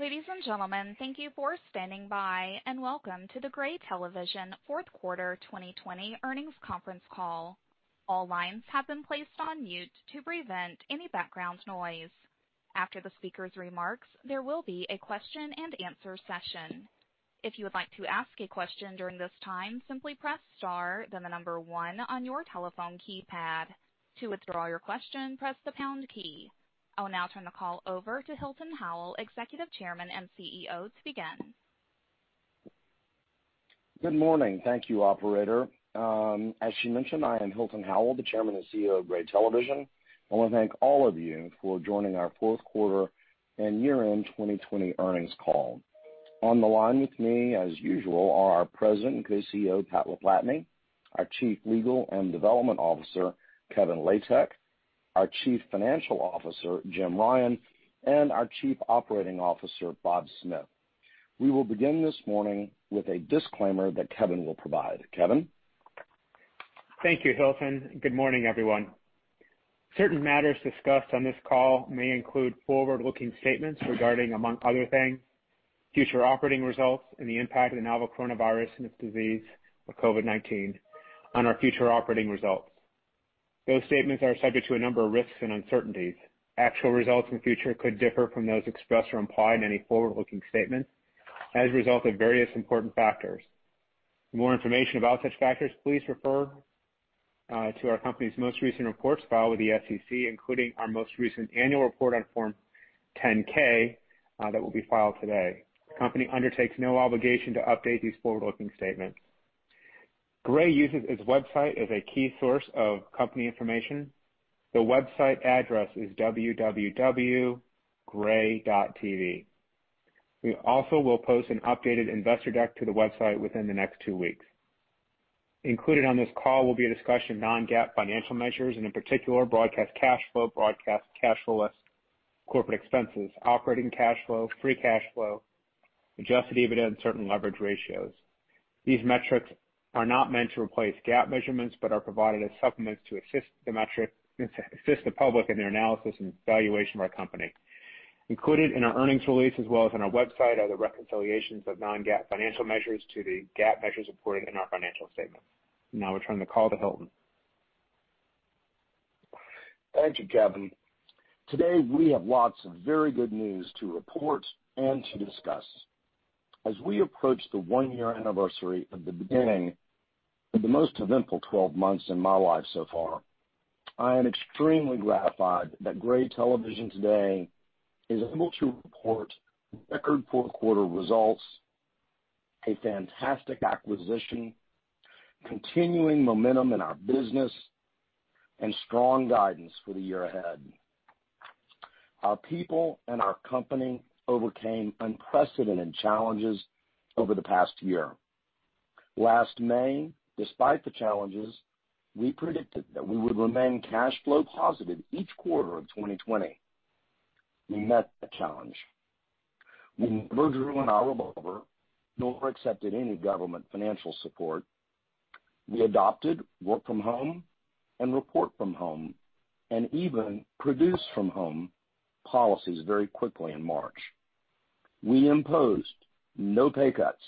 Ladies and gentlemen, thank you for standing by. Welcome to the Gray Television fourth q 2020 earnings conference call. All lines have been placed on mute to prevent any background noise. After the speaker's remarks, there will be a question and answer session. If you would like to ask a question during this time, simply press star then the number one on your telephone keypad. To withdraw your question, press the pound key. I will now turn the call over to Hilton Howell, Executive Chairman and CEO, to begin. Good morning. Thank you, operator. As she mentioned, I am Hilton Howell, the Chairman and CEO of Gray Television. I want to thank all of you for joining our Q4 and -end 2020 earnings call. On the line with me, as usual, are our President and CEO, Pat LaPlatney, our Chief Legal and Development Officer, Kevin Latek, our Chief Financial Officer, Jim Ryan, and our Chief Operating Officer, Bob Smith. We will begin this morning with a disclaimer that Kevin will provide. Kevin? Thank you, Hilton. Good morning, everyone. Certain matters discussed on this call may include forward-looking statements regarding, among other things, future operating results and the impact of the novel coronavirus and its disease, COVID-19, on our future operating results. Those statements are subject to a number of risks and uncertainties. Actual results in future could differ from those expressed or implied in any forward-looking statement as a result of various important factors. For more information about such factors, please refer to our company's most recent reports filed with the SEC, including our most recent annual report on Form 10-K that will be filed today. The company undertakes no obligation to update these forward-looking statements. Gray uses its website as a key source of company information. The website address is www.gray.tv. We also will post an updated investor deck to the website within the next two weeks. Included on this call will be a discussion of non-GAAP financial measures, and in particular, broadcast cash flow, broadcast cash less corporate expenses, operating cash flow, free cash flow, adjusted EBITDA, and certain leverage ratios. These metrics are not meant to replace GAAP measurements but are provided as supplements to assist the public in their analysis and valuation of our company. Included in our earnings release as well as on our website are the reconciliations of non-GAAP financial measures to the GAAP measures reported in our financial statement. Now returning the call to Hilton. Thank you, Kevin. Today, we have lots of very good news to report and to discuss. As we approach the one-year anniversary of the beginning of the most eventful 12 months in my life so far, I am extremely gratified that Gray Television today is able to report record Q4 results, a fantastic acquisition, continuing momentum in our business, and strong guidance for the year ahead. Our people and our company overcame unprecedented challenges over the past year. Last May, despite the challenges, we predicted that we would remain cash flow positive each quarter of 2020. We met that challenge. We never drew on our revolver nor accepted any government financial support. We adopted work from home and report from home, and even produce from home policies very quickly in March. We imposed no pay cuts,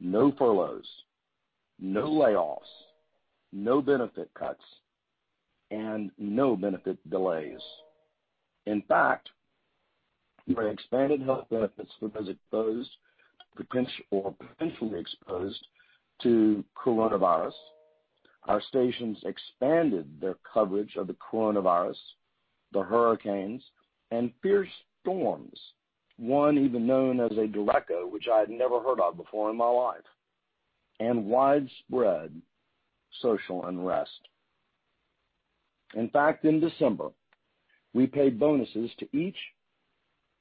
no furloughs, no layoffs, no benefit cuts, and no benefit delays. In fact, we expanded health benefits for those exposed or potentially exposed to coronavirus. Our stations expanded their coverage of the coronavirus, the hurricanes, and fierce storms. One even known as a derecho, which I had never heard of before in my life, and widespread social unrest. In fact, in December, we paid bonuses to each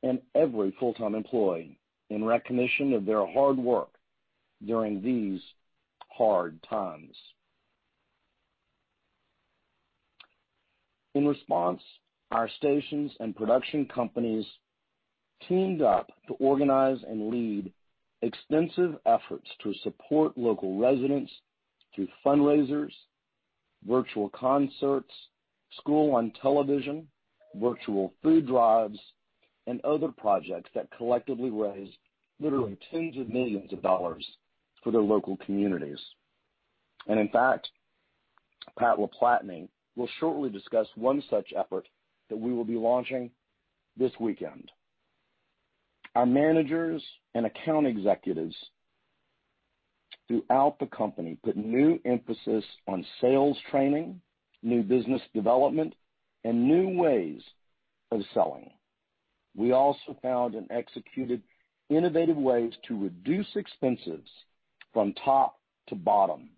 and every full-time employee in recognition of their hard work during these hard times. In response, our stations and production companies teamed up to organize and lead extensive efforts to support local residents through fundraisers, virtual concerts, school on television, virtual food drives, and other projects that collectively raised literally tens of millions of dollars for their local communities. In fact, Pat LaPlatney will shortly discuss one such effort that we will be launching this weekend. Our managers and account executives throughout the company put new emphasis on sales training, new business development, and new ways of selling. We also found and executed innovative ways to reduce expenses from top to bottom.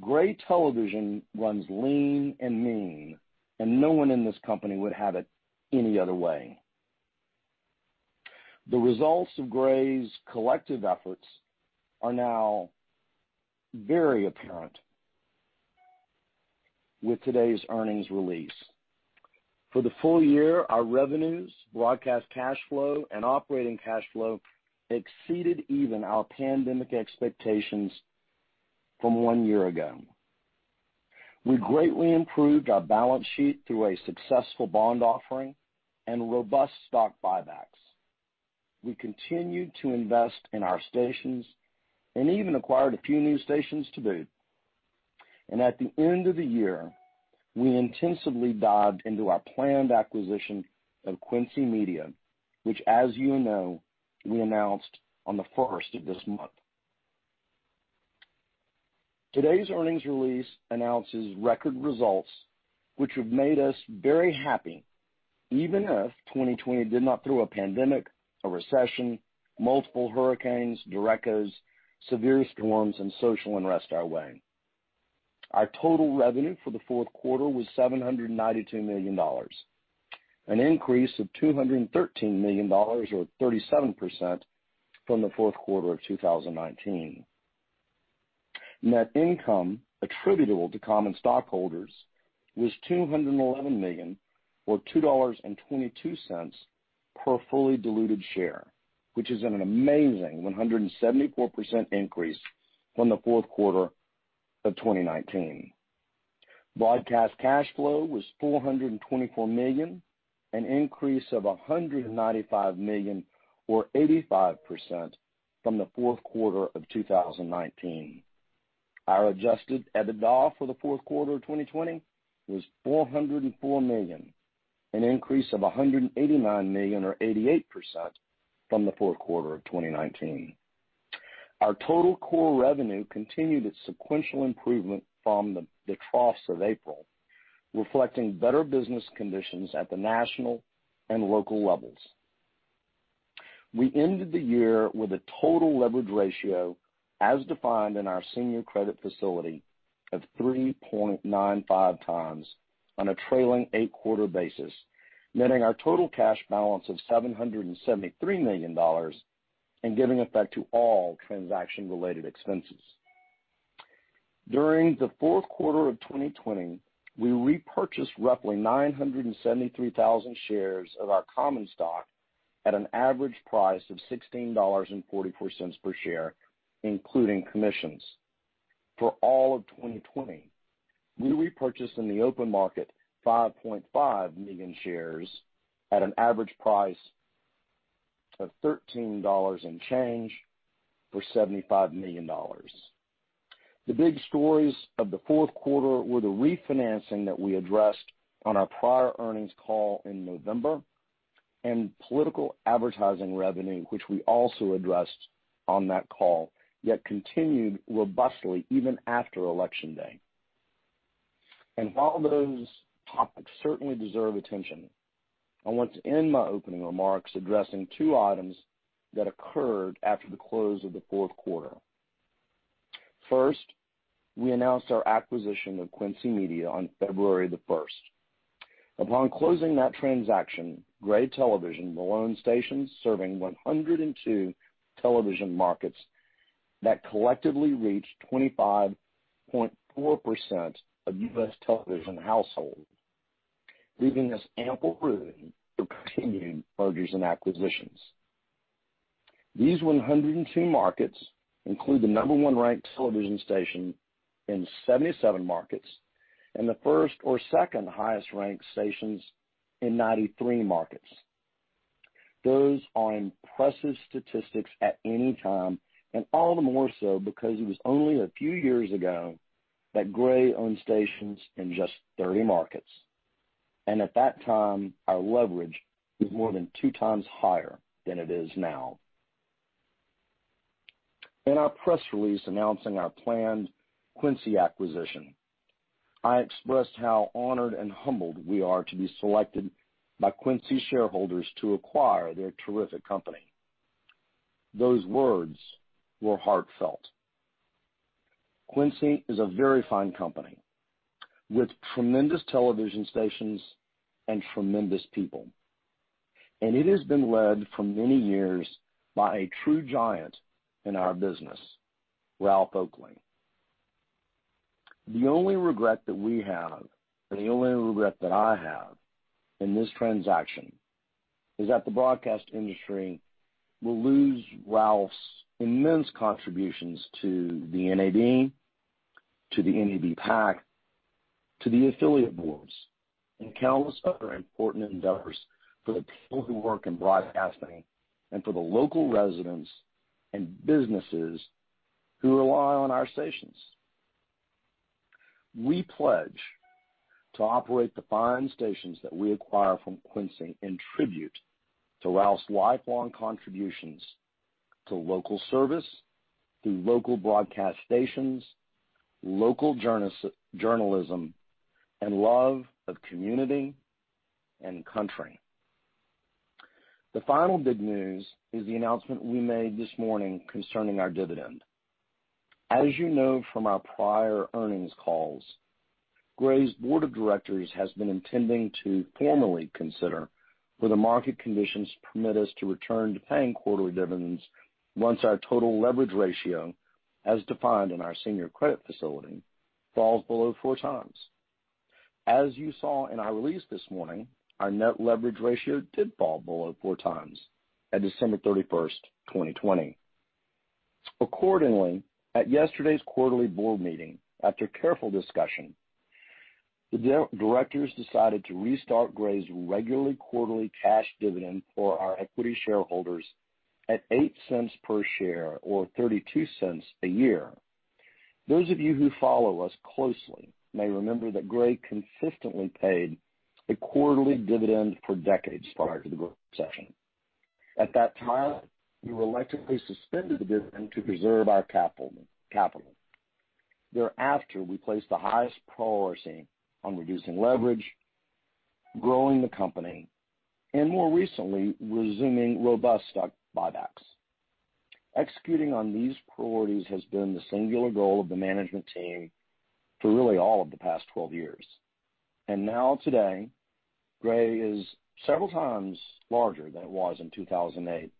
Gray Television runs lean and mean, and no one in this company would have it any other way. The results of Gray's collective efforts are now very apparent with today's earnings release. For the full year, our revenues, broadcast cash flow, and operating cash flow exceeded even our pandemic expectations from one year ago. We greatly improved our balance sheet through a successful bond offering and robust stock buybacks. We continued to invest in our stations and even acquired a few new stations to boot. At the end of the year, we intensively dived into our planned acquisition of Quincy Media, which as you know, we announced on the first of this month. Today's earnings release announces record results, which have made us very happy, even if 2020 did not throw a pandemic, a recession, multiple hurricanes, derechos, severe storms, and social unrest our way. Our total revenue for the Q4 was $792 million, an increase of $213 million or 37% from the Q4 of 2019. Net income attributable to common stockholders was $211 million or $2.22 per fully diluted share, which is an amazing 174% increase from the Q4 of 2019. Broadcast cash flow was $424 million, an increase of $195 million or 85% from the Q4 of 2019. Our adjusted EBITDA for the Q4 of 2020 was $404 million, an increase of $189 million or 88% from the Q4 of 2019. Our total core revenue continued its sequential improvement from the troughs of April, reflecting better business conditions at the national and local levels. We ended the year with a total leverage ratio as defined in our senior credit facility of 3.95 times on a trailing eight-quarter basis, netting our total cash balance of $773 million and giving effect to all transaction-related expenses. During the Q4 of 2020, we repurchased roughly 973,000 shares of our common stock at an average price of $16.44 per share, including commissions. For all of 2020, we repurchased in the open market 5.5 million shares at an average price of $13 and change for $75 million. The big stories of the Q4 were the refinancing that we addressed on our prior earnings call in November, and political advertising revenue, which we also addressed on that call, yet continued robustly even after election day. While those topics certainly deserve attention, I want to end my opening remarks addressing two items that occurred after the close of the Q4. First, we announced our acquisition of Quincy Media on February 1st. Upon closing that transaction, Gray Television will own stations serving 102 television markets that collectively reach 25.4% of U.S. television households, leaving us ample room for continued mergers and acquisitions. These 102 markets include the number 1 ranked television station in 77 markets and the first or second highest ranked stations in 93 markets. Those are impressive statistics at any time, all the more so because it was only a few years ago that Gray owned stations in just 30 markets. At that time, our leverage was more than two times higher than it is now. In our press release announcing our planned Quincy acquisition, I expressed how honored and humbled we are to be selected by Quincy shareholders to acquire their terrific company. Those words were heartfelt. Quincy is a very fine company with tremendous television stations and tremendous people, and it has been led for many years by a true giant in our business, Ralph Oakley. The only regret that we have, and the only regret that I have in this transaction is that the broadcast industry will lose Ralph's immense contributions to the NAB, to the NABPAC, to the affiliate boards, and countless other important endeavors for the people who work in broadcasting and for the local residents and businesses who rely on our stations. We pledge to operate the fine stations that we acquire from Quincy in tribute to Ralph's lifelong contributions to local service, through local broadcast stations, local journalism, and love of community and country. The final big news is the announcement we made this morning concerning our dividend. As you know from our prior earnings calls, Gray's board of directors has been intending to formally consider whether market conditions permit us to return to paying quarterly dividends once our total leverage ratio, as defined in our senior credit facility, falls below four times. As you saw in our release this morning, our net leverage ratio did fall below four times at December 31st, 2020. Accordingly, at yesterday's quarterly board meeting, after careful discussion, the directors decided to restart Gray's regularly quarterly cash dividend for our equity shareholders at $0.08 per share or $0.32 a year. Those of you who follow us closely may remember that Gray consistently paid a quarterly dividend for decades prior to the Great Recession. At that time, we reluctantly suspended the dividend to preserve our capital. Thereafter, we placed the highest priority on reducing leverage, growing the company, and more recently, resuming robust stock buybacks. Executing on these priorities has been the singular goal of the management team for really all of the past 12 years. Now today, Gray is several times larger than it was in 2008,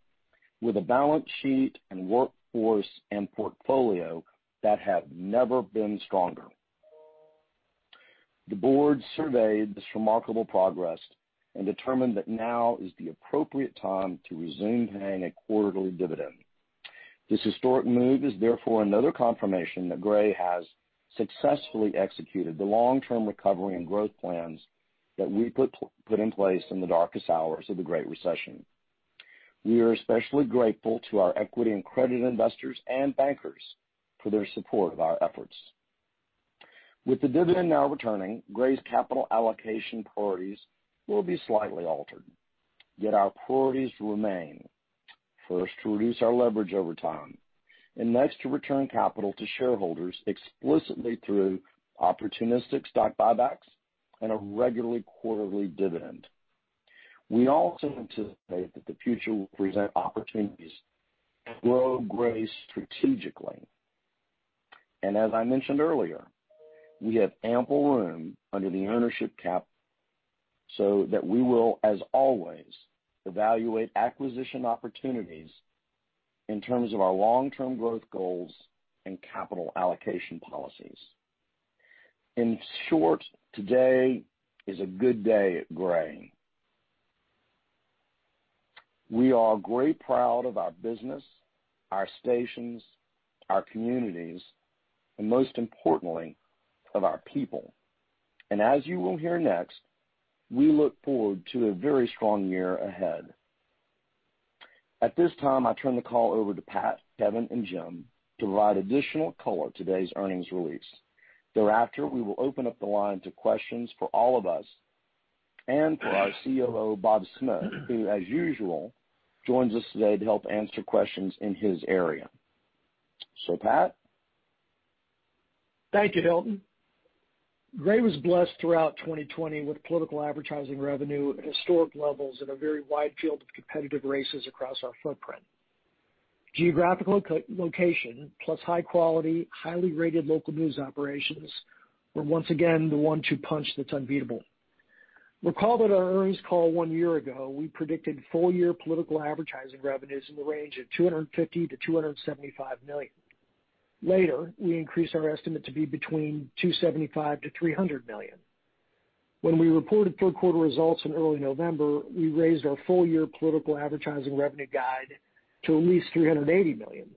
with a balance sheet and workforce and portfolio that have never been stronger. The board surveyed this remarkable progress and determined that now is the appropriate time to resume paying a quarterly dividend. This historic move is therefore another confirmation that Gray has successfully executed the long-term recovery and growth plans that we put in place in the darkest hours of the Great Recession. We are especially grateful to our equity and credit investors and bankers for their support of our efforts. With the dividend now returning, Gray's capital allocation priorities will be slightly altered. Our priorities remain first to reduce our leverage over time, and next to return capital to shareholders explicitly through opportunistic stock buybacks and a regularly quarterly dividend. We also anticipate that the future will present opportunities to grow Gray strategically. As I mentioned earlier, we have ample room under the ownership cap so that we will, as always, evaluate acquisition opportunities in terms of our long-term growth goals and capital allocation policies. In short, today is a good day at Gray. We are very proud of our business, our stations, our communities, and most importantly of our people. As you will hear next, we look forward to a very strong year ahead. At this time, I turn the call over to Pat, Kevin, and Jim to provide additional color to today's earnings release. Thereafter, we will open up the line to questions for all of us and for our COO, Bob Smith, who as usual, joins us today to help answer questions in his area. Pat? Thank you, Hilton. Gray was blessed throughout 2020 with political advertising revenue at historic levels and a very wide field of competitive races across our footprint. Geographical location, plus high quality, highly rated local news operations, were once again the one-two punch that's unbeatable. Recall that our earnings call one year ago, we predicted full-year political advertising revenues in the range of $250 million-$275 million. Later, we increased our estimate to be between $275 million-$300 million. When we reported Q3 results in early November, we raised our full-year political advertising revenue guide to at least $380 million.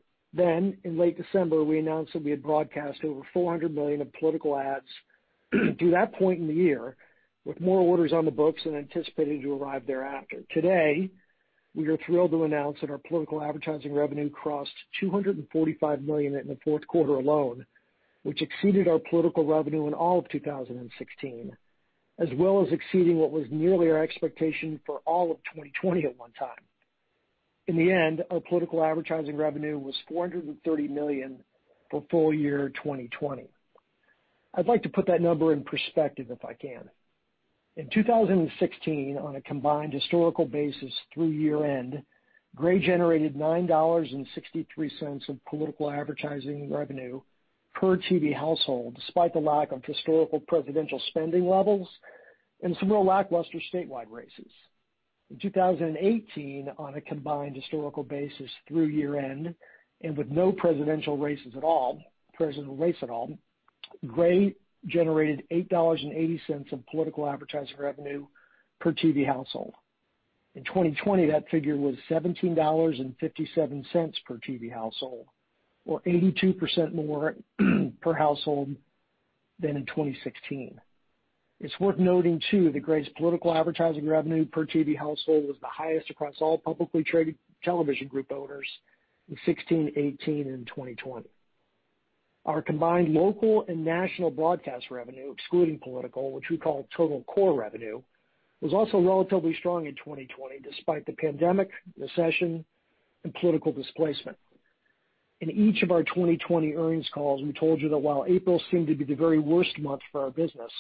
In late December, we announced that we had broadcast over $400 million of political ads to that point in the year, with more orders on the books than anticipated to arrive thereafter. Today, we are thrilled to announce that our political advertising revenue crossed $245 million in the Q4 alone, which exceeded our political revenue in all of 2016, as well as exceeding what was nearly our expectation for all of 2020 at one time. In the end, our political advertising revenue was $430 million for full-year 2020. I'd like to put that number in perspective if I can. In 2016, on a combined historical basis through year-end, Gray generated $9.63 of political advertising revenue per TV household, despite the lack of historical presidential spending levels and some real lackluster statewide races. In 2018, on a combined historical basis through year-end, and with no presidential race at all, Gray generated $8.80 of political advertising revenue per TV household. In 2020, that figure was $17.57 per TV household or 82% more per household than in 2016. It's worth noting, too, that Gray's political advertising revenue per TV household was the highest across all publicly traded television group owners in 2016, 2018, and in 2020. Our combined local and national broadcast revenue, excluding political, which we call total core revenue, was also relatively strong in 2020 despite the pandemic, recession, and political displacement. In each of our 2020 earnings calls, we told you that while April seemed to be the very worst month for our business,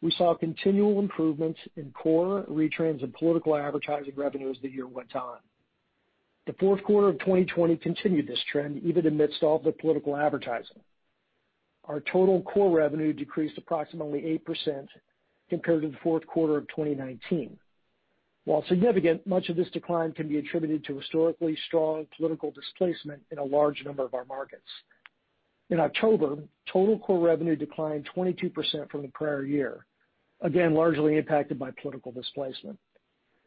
we saw continual improvement in core retrans and political advertising revenue as the year went on. The Q4 of 2020 continued this trend, even amidst all the political advertising. Our total core revenue decreased approximately 8% compared to the Q4 of 2019. While significant, much of this decline can be attributed to historically strong political displacement in a large number of our markets. In October, total core revenue declined 22% from the prior year, again, largely impacted by political displacement.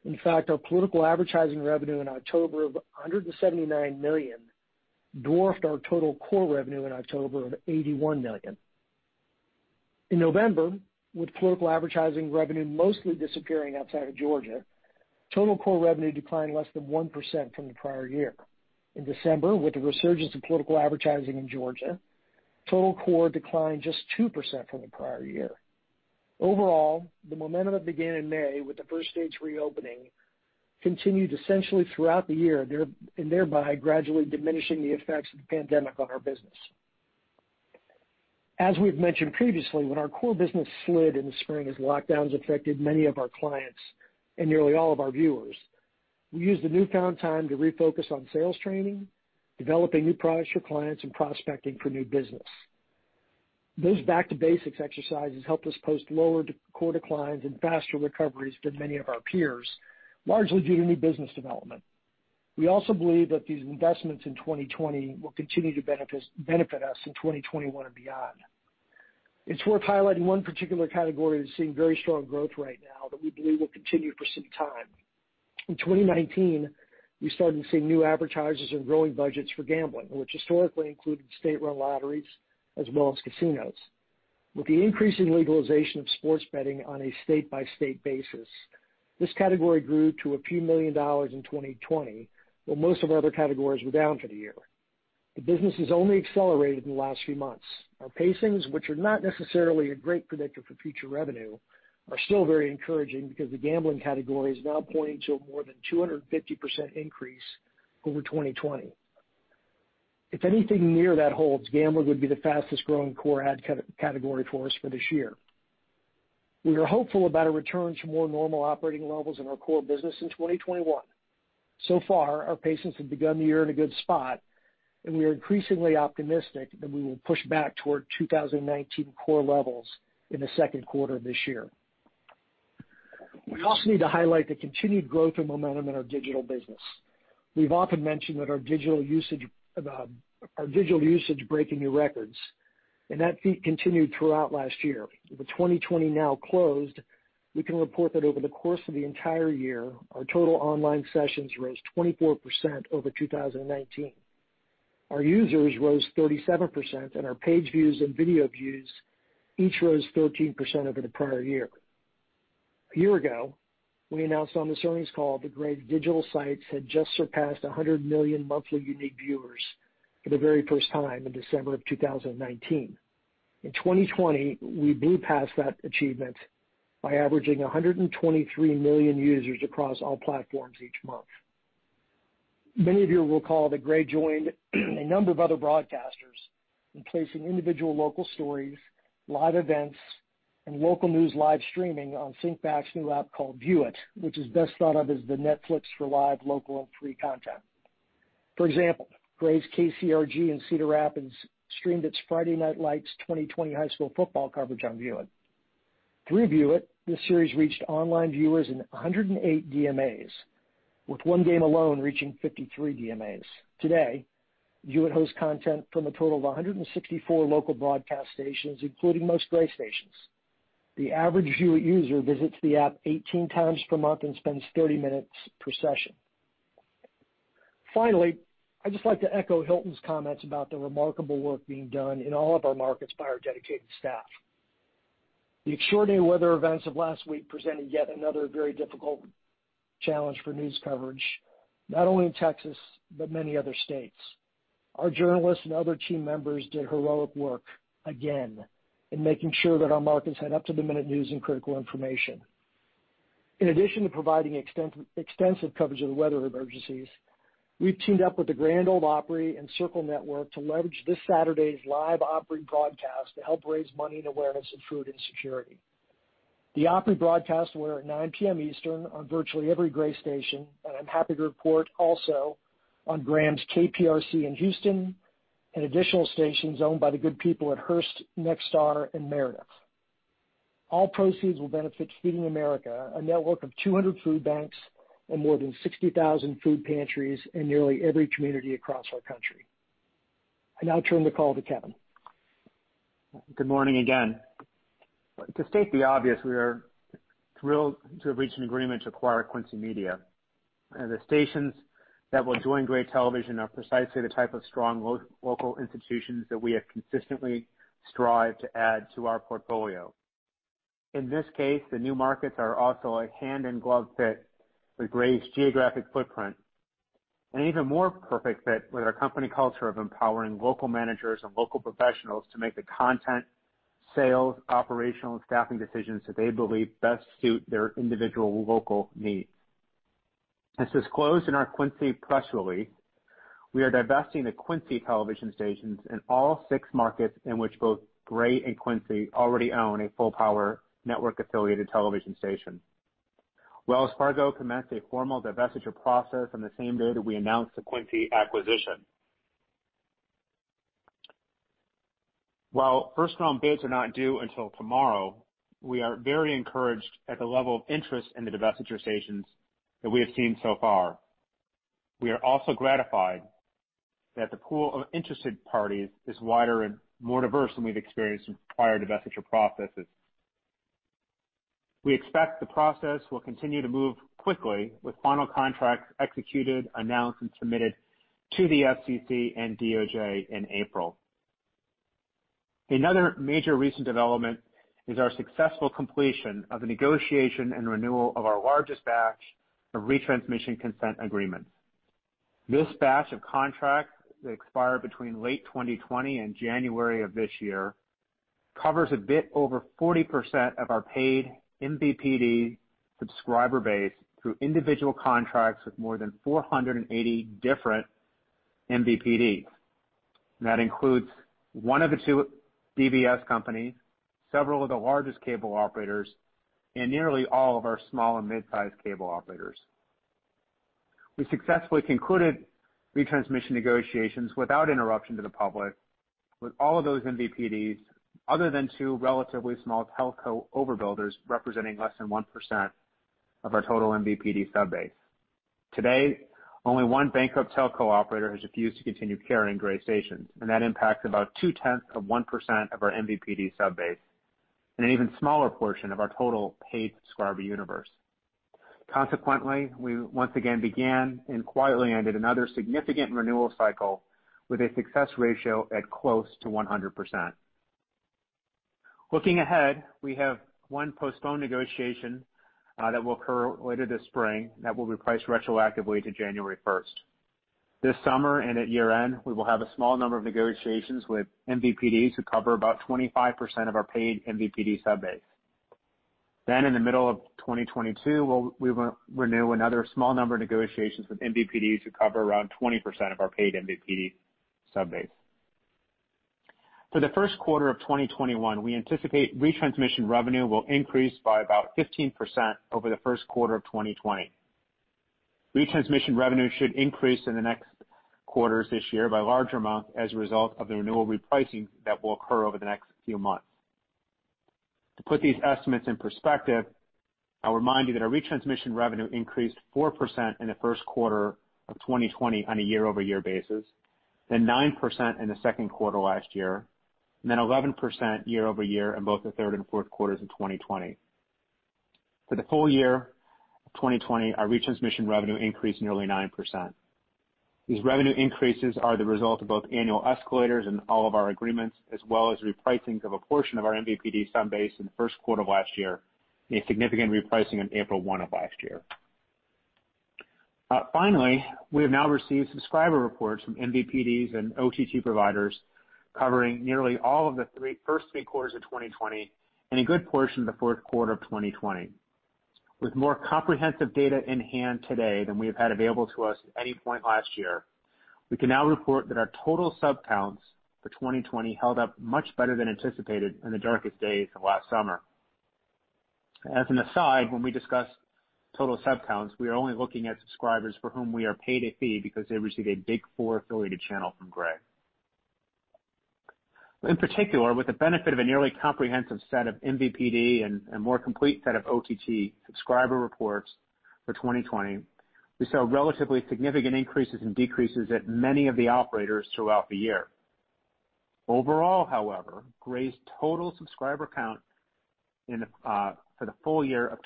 In fact, our political advertising revenue in October of $179 million dwarfed our total core revenue in October of $81 million. In November, with political advertising revenue mostly disappearing outside of Georgia, total core revenue declined less than 1% from the prior year. In December, with the resurgence of political advertising in Georgia, total core declined just 2% from the prior year. Overall, the momentum that began in May with the stage 1 reopening continued essentially throughout the year, and thereby gradually diminishing the effects of the pandemic on our business. As we've mentioned previously, when our core business slid in the spring as lockdowns affected many of our clients and nearly all of our viewers, we used the newfound time to refocus on sales training, developing new products for clients, and prospecting for new business. Those back-to-basics exercises helped us post lower core declines and faster recoveries than many of our peers, largely due to new business development. We also believe that these investments in 2020 will continue to benefit us in 2021 and beyond. It's worth highlighting one particular category that's seeing very strong growth right now that we believe will continue for some time. In 2019, we started seeing new advertisers and growing budgets for gambling, which historically included state-run lotteries as well as casinos. With the increasing legalization of sports betting on a state-by-state basis, this category grew to a few million dollars in 2020, while most of our other categories were down for the year. The business has only accelerated in the last few months. Our pacings, which are not necessarily a great predictor for future revenue, are still very encouraging because the gambling category is now pointing to a more than 250% increase over 2020. If anything near that holds, gambling would be the fastest growing core ad category for us for this year. We are hopeful about a return to more normal operating levels in our core business in 2021. So far, our pacings have begun the year in a good spot, and we are increasingly optimistic that we will push back toward 2019 core levels in the Q2 of this year. We also need to highlight the continued growth and momentum in our digital business. We've often mentioned our digital usage breaking new records. That feat continued throughout last year. With 2020 now closed, we can report that over the course of the entire year, our total online sessions rose 24% over 2019. Our users rose 37%. Our page views and video views each rose 13% over the prior year. A year ago, we announced on this earnings call that Gray digital sites had just surpassed 100 million monthly unique viewers for the very first time in December of 2019. In 2020, we blew past that achievement by averaging 123 million users across all platforms each month. Many of you will recall that Gray joined a number of other broadcasters in placing individual local stories, live events, and local news live streaming on Syncbak's new app called VUit, which is best thought of as the Netflix for live, local, and free content. For example, Gray's KCRG in Cedar Rapids streamed its Friday Night Lights 2020 high school football coverage on VUit. Through VUit, this series reached online viewers in 108 DMAs, with one game alone reaching 53 DMAs. Today, VUit hosts content from a total of 164 local broadcast stations, including most Gray stations. The average VUit user visits the app 18 times per month and spends 30 minutes per session. Finally, I'd just like to echo Hilton's comments about the remarkable work being done in all of our markets by our dedicated staff. The extraordinary weather events of last week presented yet another very difficult challenge for news coverage, not only in Texas, but many other states. Our journalists and other team members did heroic work again in making sure that our markets had up-to-the-minute news and critical information. In addition to providing extensive coverage of the weather emergencies, we've teamed up with the Grand Ole Opry and Circle Network to leverage this Saturday's live Opry broadcast to help raise money and awareness of food insecurity. The Opry broadcast will air at 9:00 P.M. Eastern on virtually every Gray station, and I'm happy to report also on Graham's KPRC in Houston, and additional stations owned by the good people at Hearst, Nexstar, and Meredith. All proceeds will benefit Feeding America, a network of 200 food banks and more than 60,000 food pantries in nearly every community across our country. I now turn the call to Kevin. Good morning again. To state the obvious, we are thrilled to have reached an agreement to acquire Quincy Media, and the stations that will join Gray Television are precisely the type of strong local institutions that we have consistently strived to add to our portfolio. In this case, the new markets are also a hand-in-glove fit with Gray's geographic footprint, and even more perfect fit with our company culture of empowering local managers and local professionals to make the content, sales, operational, and staffing decisions that they believe best suit their individual local needs. As disclosed in our Quincy press release, we are divesting the Quincy television stations in all six markets in which both Gray and Quincy already own a full power network-affiliated television station. Wells Fargo commenced a formal divestiture process on the same day that we announced the Quincy acquisition. While first-round bids are not due until tomorrow, we are very encouraged at the level of interest in the divestiture stations that we have seen so far. We are also gratified that the pool of interested parties is wider and more diverse than we've experienced in prior divestiture processes. We expect the process will continue to move quickly with final contracts executed, announced, and submitted to the FCC and DOJ in April. Another major recent development is our successful completion of the negotiation and renewal of our largest batch of retransmission consent agreements. This batch of contracts that expired between late 2020 and January of this year, covers a bit over 40% of our paid MVPD subscriber base through individual contracts with more than 480 different MVPDs. That includes one of the two DBS companies, several of the largest cable operators, and nearly all of our small and midsize cable operators. We successfully concluded retransmission negotiations without interruption to the public with all of those MVPDs, other than two relatively small telco overbuilders representing less than 1% of our total MVPD sub base. Today, only one bankrupt telco operator has refused to continue carrying Gray stations, and that impacts about two-tenths of 1% of our MVPD sub base and an even smaller portion of our total paid subscriber universe. Consequently, we once again began and quietly ended another significant renewal cycle with a success ratio at close to 100%. Looking ahead, we have one postponed negotiation that will occur later this spring that will be priced retroactively to January 1st. This summer and at year-end, we will have a small number of negotiations with MVPDs who cover about 25% of our paid MVPD sub base. In the middle of 2022, we will renew another small number of negotiations with MVPDs who cover around 20% of our paid MVPD sub base. For the Q1 of 2021, we anticipate retransmission revenue will increase by about 15% over the Q1 of 2020. Retransmission revenue should increase in the next quarters this year by a larger amount as a result of the renewal repricing that will occur over the next few months. To put these estimates in perspective, I'll remind you that our retransmission revenue increased 4% in the Q1 of 2020 on a year-over-year basis, then 9% in the Q2 last year, and then 11% year-over-year in both the third and Q4 of 2020. For the full year of 2020, our retransmission revenue increased nearly 9%. These revenue increases are the result of both annual escalators and all of our agreements, as well as repricings of a portion of our MVPD sub base in the Q1 of last year and a significant repricing on April 1 of last year. Finally, we have now received subscriber reports from MVPDs and OTT providers covering nearly all of the first Q3 of 2020 and a good portion of the Q4 of 2020. With more comprehensive data in hand today than we have had available to us at any point last year, we can now report that our total sub counts for 2020 held up much better than anticipated in the darkest days of last summer. As an aside, when we discuss total sub counts, we are only looking at subscribers for whom we are paid a fee because they receive a big four affiliated channel from Gray. In particular, with the benefit of a nearly comprehensive set of MVPD and a more complete set of OTT subscriber reports for 2020, we saw relatively significant increases and decreases at many of the operators throughout the year. The total subscriber count in the Q4 of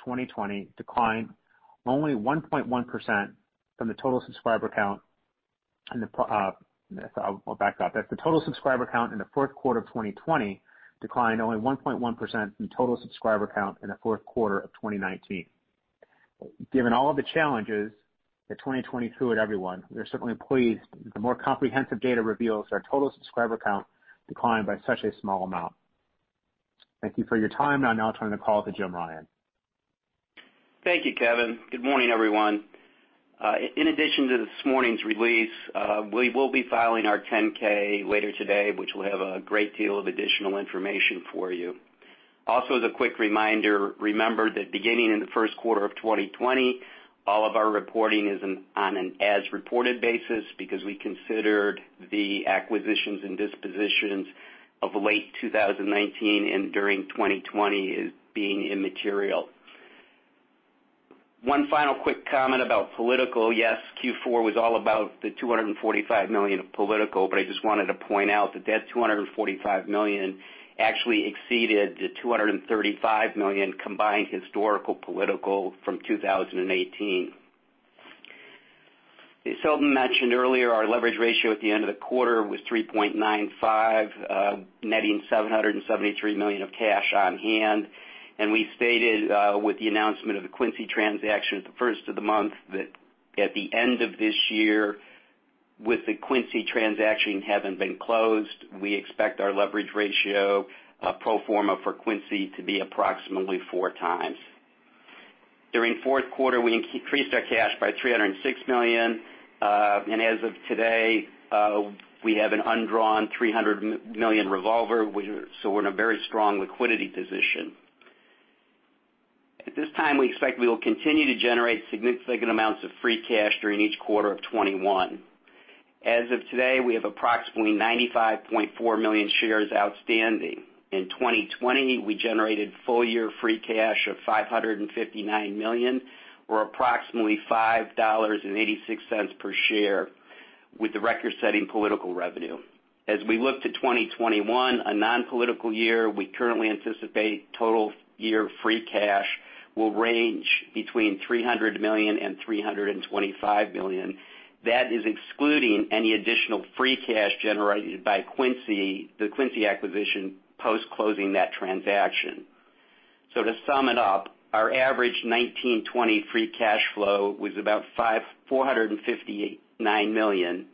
2020 declined only 1.1% from total subscriber count in the Q4 of 2019. Given all of the challenges that 2020 threw at everyone, we are certainly pleased the more comprehensive data reveals our total subscriber count declined by such a small amount. Thank you for your time. I'll now turn the call to Jim Ryan. Thank you, Kevin. Good morning, everyone. In addition to this morning's release, we will be filing our 10-K later today, which will have a great deal of additional information for you. Also, as a quick reminder, remember that beginning in the Q1 of 2020, all of our reporting is on an as reported basis because we considered the acquisitions and dispositions of late 2019 and during 2020 as being immaterial. One final quick comment about political. Yes, Q4 was all about the $245 million of political, but I just wanted to point out that that $245 million actually exceeded the $235 million combined historical political from 2018. As Hilton mentioned earlier, our leverage ratio at the end of the quarter was 3.95, netting $773 million of cash on hand. We stated with the announcement of the Quincy transaction at the first of the month that at the end of this year with the Quincy transaction having been closed, we expect our leverage ratio pro forma for Quincy to be approximately four times. During Q4, we increased our cash by $306 million. As of today, we have an undrawn $300 million revolver, so we're in a very strong liquidity position. At this time, we expect we will continue to generate significant amounts of free cash during each quarter of 2021. As of today, we have approximately 95.4 million shares outstanding. In 2020, we generated full year free cash of $559 million, or approximately $5.86 per share with a record-setting political revenue. As we look to 2021, a non-political year, we currently anticipate total year free cash will range between $300 million and $325 million. That is excluding any additional free cash generated by the Quincy acquisition post-closing that transaction. To sum it up, our average 2019, 2020 free cash flow was about $459 million,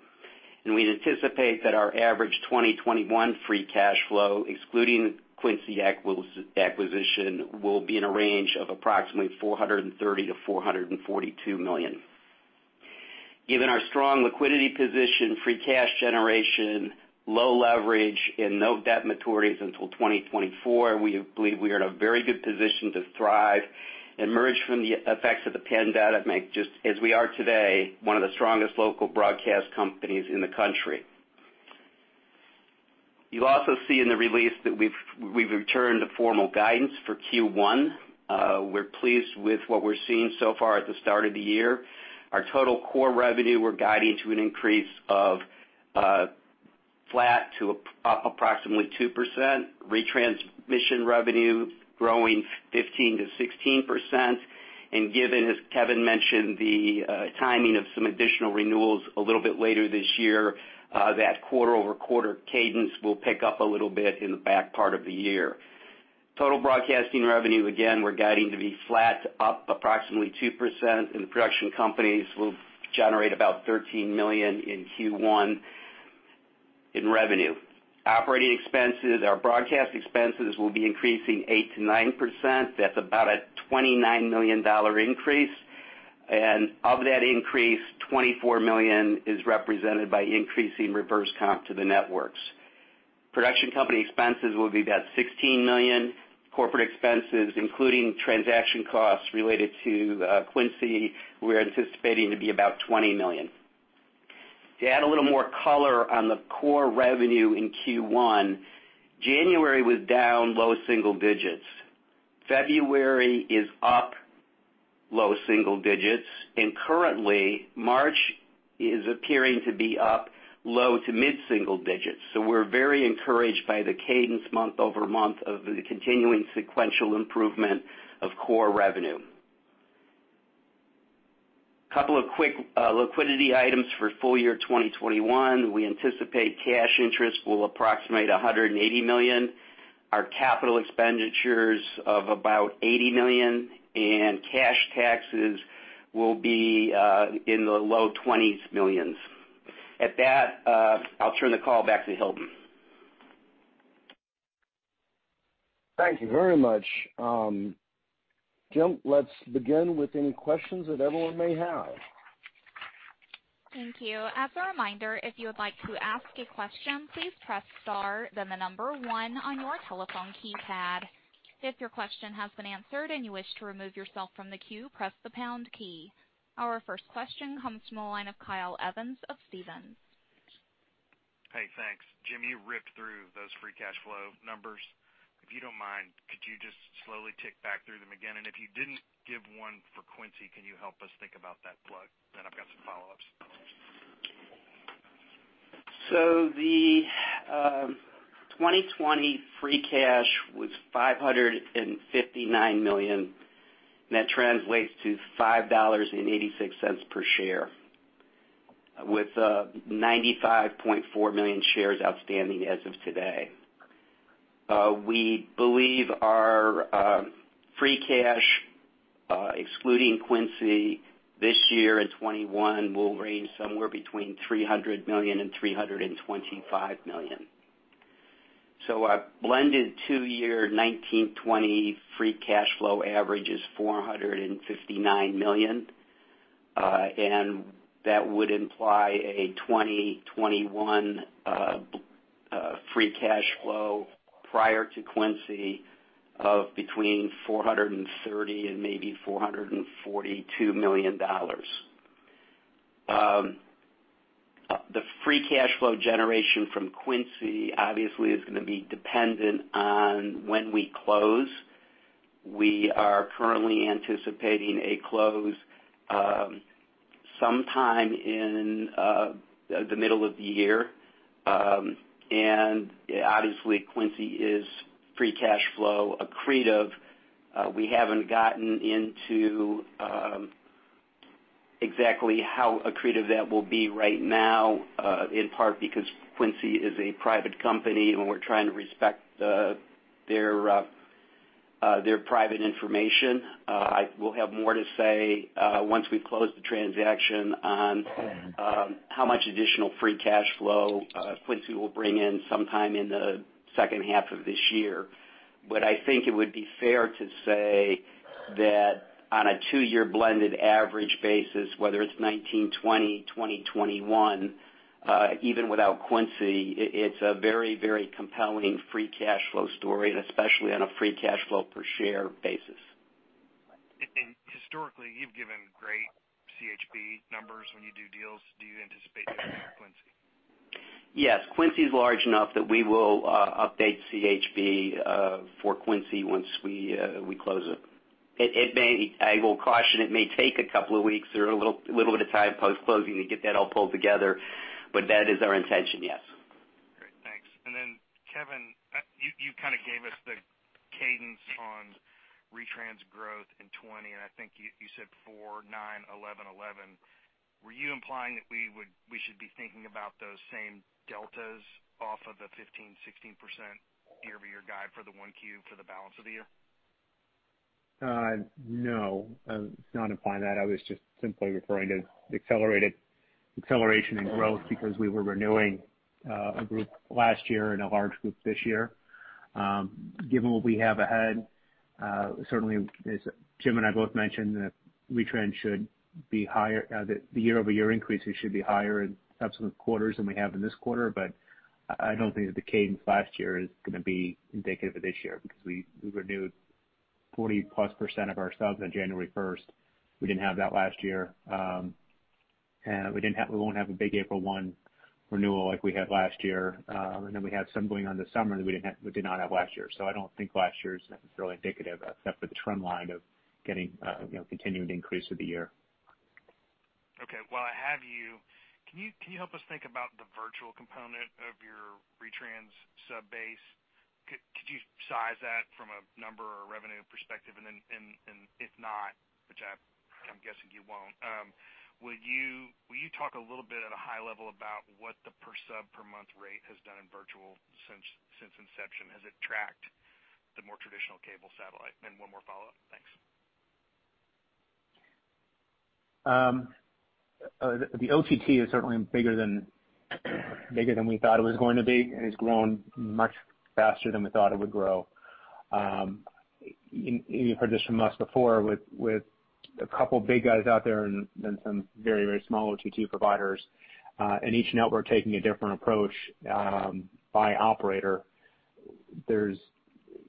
and we'd anticipate that our average 2021 free cash flow, excluding Quincy acquisition, will be in a range of approximately $430 million-$442 million. Given our strong liquidity position, free cash generation, low leverage, and no debt maturities until 2024, we believe we are in a very good position to thrive, emerge from the effects of the pandemic just as we are today, one of the strongest local broadcast companies in the country. You'll also see in the release that we've returned to formal guidance for Q1. We're pleased with what we're seeing so far at the start of the year. Our total core revenue, we're guiding to an increase of flat to approximately 2%, retransmission revenue growing 15%-16%, and given, as Kevin mentioned, the timing of some additional renewals a little bit later this year, that quarter-over-quarter cadence will pick up a little bit in the back part of the year. Total broadcasting revenue, again, we're guiding to be flat to up approximately 2%, The production companies will generate about $13 million in Q1 in revenue. Operating expenses, our broadcast expenses will be increasing 8%-9%. That's about a $29 million increase. Of that increase, $24 million is represented by increasing reverse compensation to the networks. Production company expenses will be about $16 million. Corporate expenses, including transaction costs related to Quincy, we are anticipating to be about $20 million. To add a little more color on the core revenue in Q1, January was down low single digits. February is up low single digits. Currently, March is appearing to be up low to mid-single digits. We're very encouraged by the cadence month-over-month of the continuing sequential improvement of core revenue. Couple of quick liquidity items for full year 2021. We anticipate cash interest will approximate $180 million. Our capital expenditures of about $80 million. Cash taxes will be in the low $20s millions. At that, I'll turn the call back to Hilton. Thank you very much. Jill, let's begin with any questions that everyone may have. Thank you. As a reminder, if you would like to ask a question, please press star, then the number one on your telephone keypad. If your question has been answered and you wish to remove yourself from the queue, press the pound key. Our first question comes from the line of Kyle Evans of. Hey, thanks. Jim, you ripped through those free cash flow numbers. If you don't mind, could you just slowly tick back through them again? If you didn't give one for Quincy, can you help us think about that plug? I've got some follow-ups. The 2020 free cash was $559 million, and that translates to $5.86 per share with 95.4 million shares outstanding as of today. We believe our free cash, excluding Quincy this year in 2021, will range somewhere between $300 million and $325 million. A blended two-year, 2019, 2020 free cash flow average is $459 million, and that would imply a 2021 free cash flow prior to Quincy of between $430 million and maybe $442 million. The free cash flow generation from Quincy obviously is gonna be dependent on when we close. We are currently anticipating a close sometime in the middle of the year. Obviously, Quincy is free cash flow accretive. We haven't gotten into exactly how accretive that will be right now, in part because Quincy is a private company, and we're trying to respect their private information. We'll have more to say once we've closed the transaction on how much additional free cash flow Quincy will bring in sometime in the second half of this year. I think it would be fair to say that on a two-year blended average basis, whether it's 2019, 2020, 2021, even without Quincy, it's a very compelling free cash flow story, and especially on a free cash flow per share basis. Historically, you've given great CHB numbers when you do deals. Do you anticipate doing that with Quincy? Yes. Quincy is large enough that we will update CHB for Quincy once we close it. I will caution, it may take a couple of weeks or a little bit of time post-closing to get that all pulled together. That is our intention, yes. Great. Thanks. Kevin, you gave us the cadence on retrans growth in 2020, I think you said 4%, 9%, 11%, 11%. Were you implying that we should be thinking about those same deltas off of the 15%-16% year-over-year guide for the 1Q for the balance of the year? No. I was not implying that. I was just simply referring to acceleration in growth because we were renewing a group last year and a large group this year. Given what we have ahead, certainly, as Jim and I both mentioned, the year-over-year increases should be higher in subsequent quarters than we have in this quarter. I don't think that the cadence last year is going to be indicative of this year because we renewed 40-plus % of our subs on January 1st. We didn't have that last year. We won't have a big April 1 renewal like we had last year. We have some going on this summer that we did not have last year. I don't think last year's really indicative, except for the trend line of getting continued increase of the year. Okay. While I have you, can you help us think about the virtual component of your retrans sub base? Could you size that from a number or revenue perspective? If not, which I'm guessing you won't, will you talk a little bit at a high level about what the per sub per month rate has done in virtual since inception? Has it tracked the more traditional cable satellite? One more follow-up. Thanks. The OTT is certainly bigger than we thought it was going to be, and it's grown much faster than we thought it would grow. You've heard this from us before with a couple big guys out there and then some very small OTT providers, and each network taking a different approach by operator.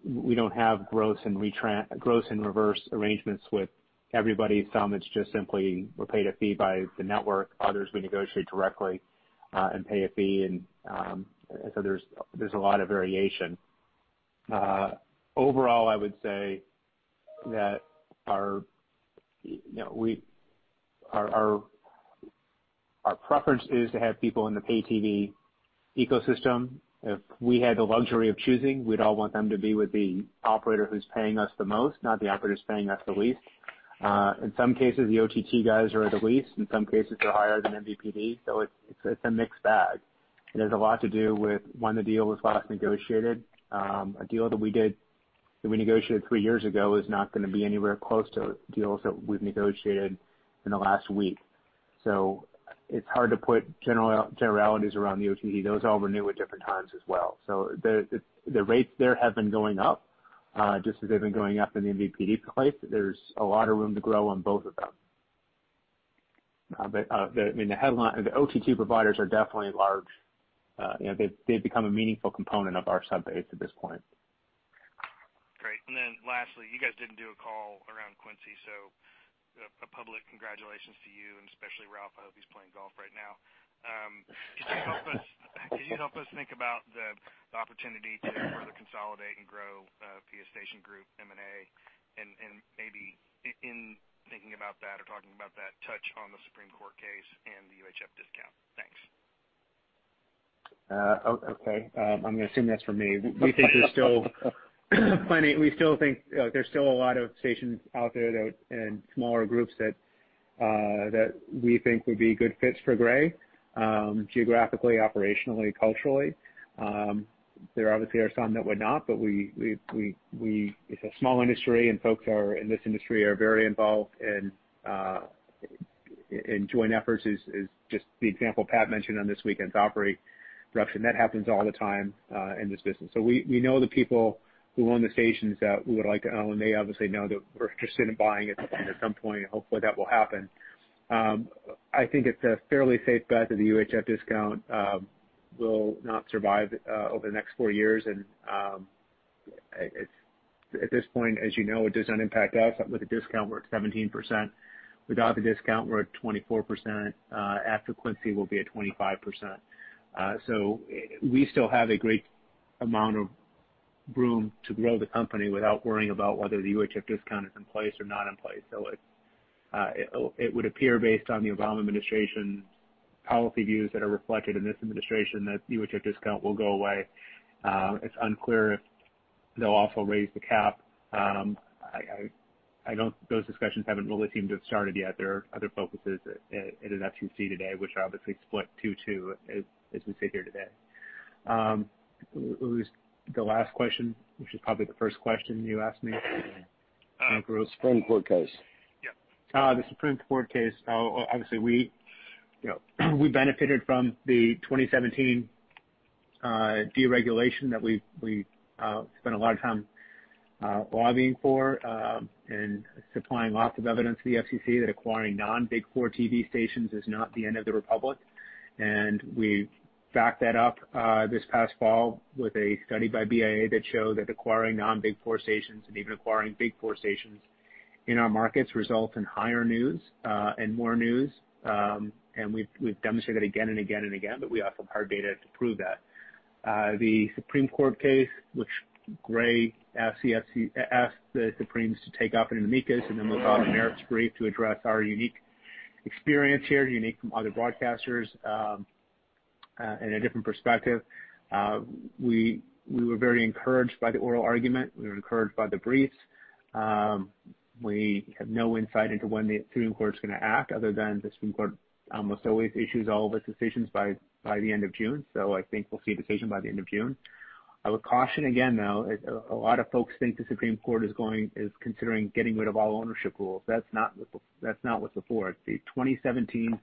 We don't have reverse compensation arrangements with everybody. Some it's just simply we're paid a fee by the network. Others, we negotiate directly and pay a fee. There's a lot of variation. Overall, I would say that our preference is to have people in the pay TV ecosystem. If we had the luxury of choosing, we'd all want them to be with the operator who's paying us the most, not the operator who's paying us the least. In some cases, the OTT guys are the least. In some cases, they're higher than MVPD. It's a mixed bag, and it has a lot to do with when the deal was last negotiated. A deal that we negotiated 3 years ago is not going to be anywhere close to deals that we've negotiated in the last week. It's hard to put generalities around the OTT. Those all renew at different times as well. The rates there have been going up, just as they've been going up in the MVPD place. There's a lot of room to grow on both of them. The OTT providers are definitely large. They've become a meaningful component of our sub base at this point. Great. Lastly, you guys didn't do a call around Quincy, a public congratulations to you and especially Ralph. I hope he's playing golf right now. Can you help us think about the opportunity to further consolidate and grow TV Station Group M&A? Maybe in thinking about that or talking about that, touch on the Supreme Court case and the UHF discount. Thanks. Okay. I'm going to assume that's for me. We still think there's still a lot of stations out there that in smaller groups that we think would be good fits for Gray geographically, operationally, culturally. There obviously are some that would not, but it's a small industry, and folks in this industry are very involved in joint efforts. Just the example Pat mentioned on this weekend's Opry Live, that happens all the time in this business. We know the people who own the stations that we would like to own. They obviously know that we're interested in buying at some point, and hopefully that will happen. I think it's a fairly safe bet that the UHF discount will not survive over the next four years. At this point, as you know, it does not impact us. With the discount, we're at 17%. Without the discount, we're at 24%. After Quincy, we'll be at 25%. We still have a great amount of room to grow the company without worrying about whether the UHF discount is in place or not in place. It would appear based on the Obama administration policy views that are reflected in this administration, that the UHF discount will go away. It's unclear if they'll also raise the cap. Those discussions haven't really seemed to have started yet. There are other focuses at an FCC today, which are obviously split 2-2 as we sit here today. What was the last question, which is probably the first question you asked me? Supreme Court case. Yeah. The Supreme Court case. Obviously, we benefited from the 2017 deregulation that we spent a lot of time lobbying for and supplying lots of evidence to the FCC that acquiring non-big four TV stations is not the end of the republic. We backed that up this past fall with a study by BIA that showed that acquiring non-big four stations and even acquiring big four stations in our markets result in higher news, and more news. We've demonstrated again and again, but we also have hard data to prove that. The Supreme Court case, which Gray asked the Supremes to take up an amicus and then we filed a merits brief to address our unique experience here, unique from other broadcasters, in a different perspective. We were very encouraged by the oral argument. We were encouraged by the briefs. We have no insight into when the Supreme Court's going to act, other than the Supreme Court almost always issues all of its decisions by the end of June. I think we'll see a decision by the end of June. I would caution again, though, a lot of folks think the Supreme Court is considering getting rid of all ownership rules. That's not what's before it. The 2017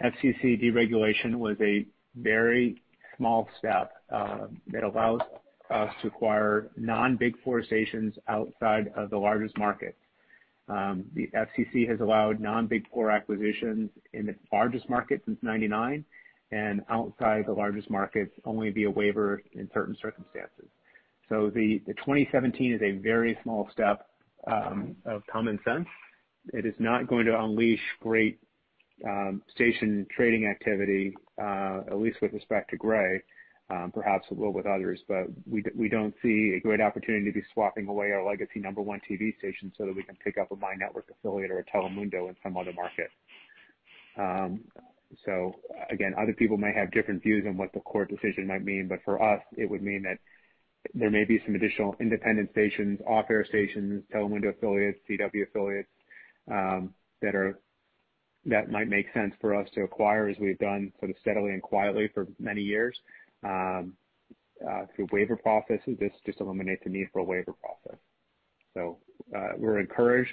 FCC deregulation was a very small step that allows us to acquire non-big four stations outside of the largest market. The FCC has allowed non-big four acquisitions in the largest market since 1999, and outside the largest markets only via waiver in certain circumstances. The 2017 is a very small step of common sense. It is not going to unleash great station trading activity, at least with respect to Gray. Perhaps it will with others, but we don't see a great opportunity to be swapping away our legacy number one TV station so that we can pick up a My Network affiliate or a Telemundo in some other market. Again, other people may have different views on what the court decision might mean, but for us, it would mean that there may be some additional independent stations, off-air stations, Telemundo affiliates, CW affiliates, that might make sense for us to acquire as we've done sort of steadily and quietly for many years, through waiver processes. This just eliminates the need for a waiver process. We're encouraged,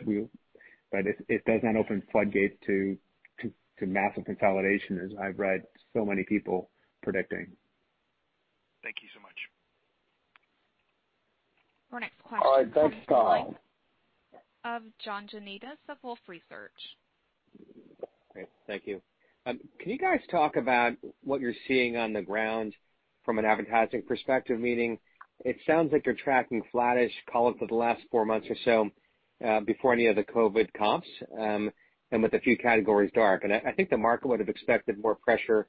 but it does not open floodgates to massive consolidation as I've read so many people predicting. Thank you so much. Our next question. All right. Doug Katz. Of John Janedis of Wolfe Research. Great. Thank you. Can you guys talk about what you're seeing on the ground from an advertising perspective? Meaning, it sounds like you're tracking flattish call outs for the last 4 months or so before any of the COVID-19 comps, and with a few categories dark. I think the market would have expected more pressure,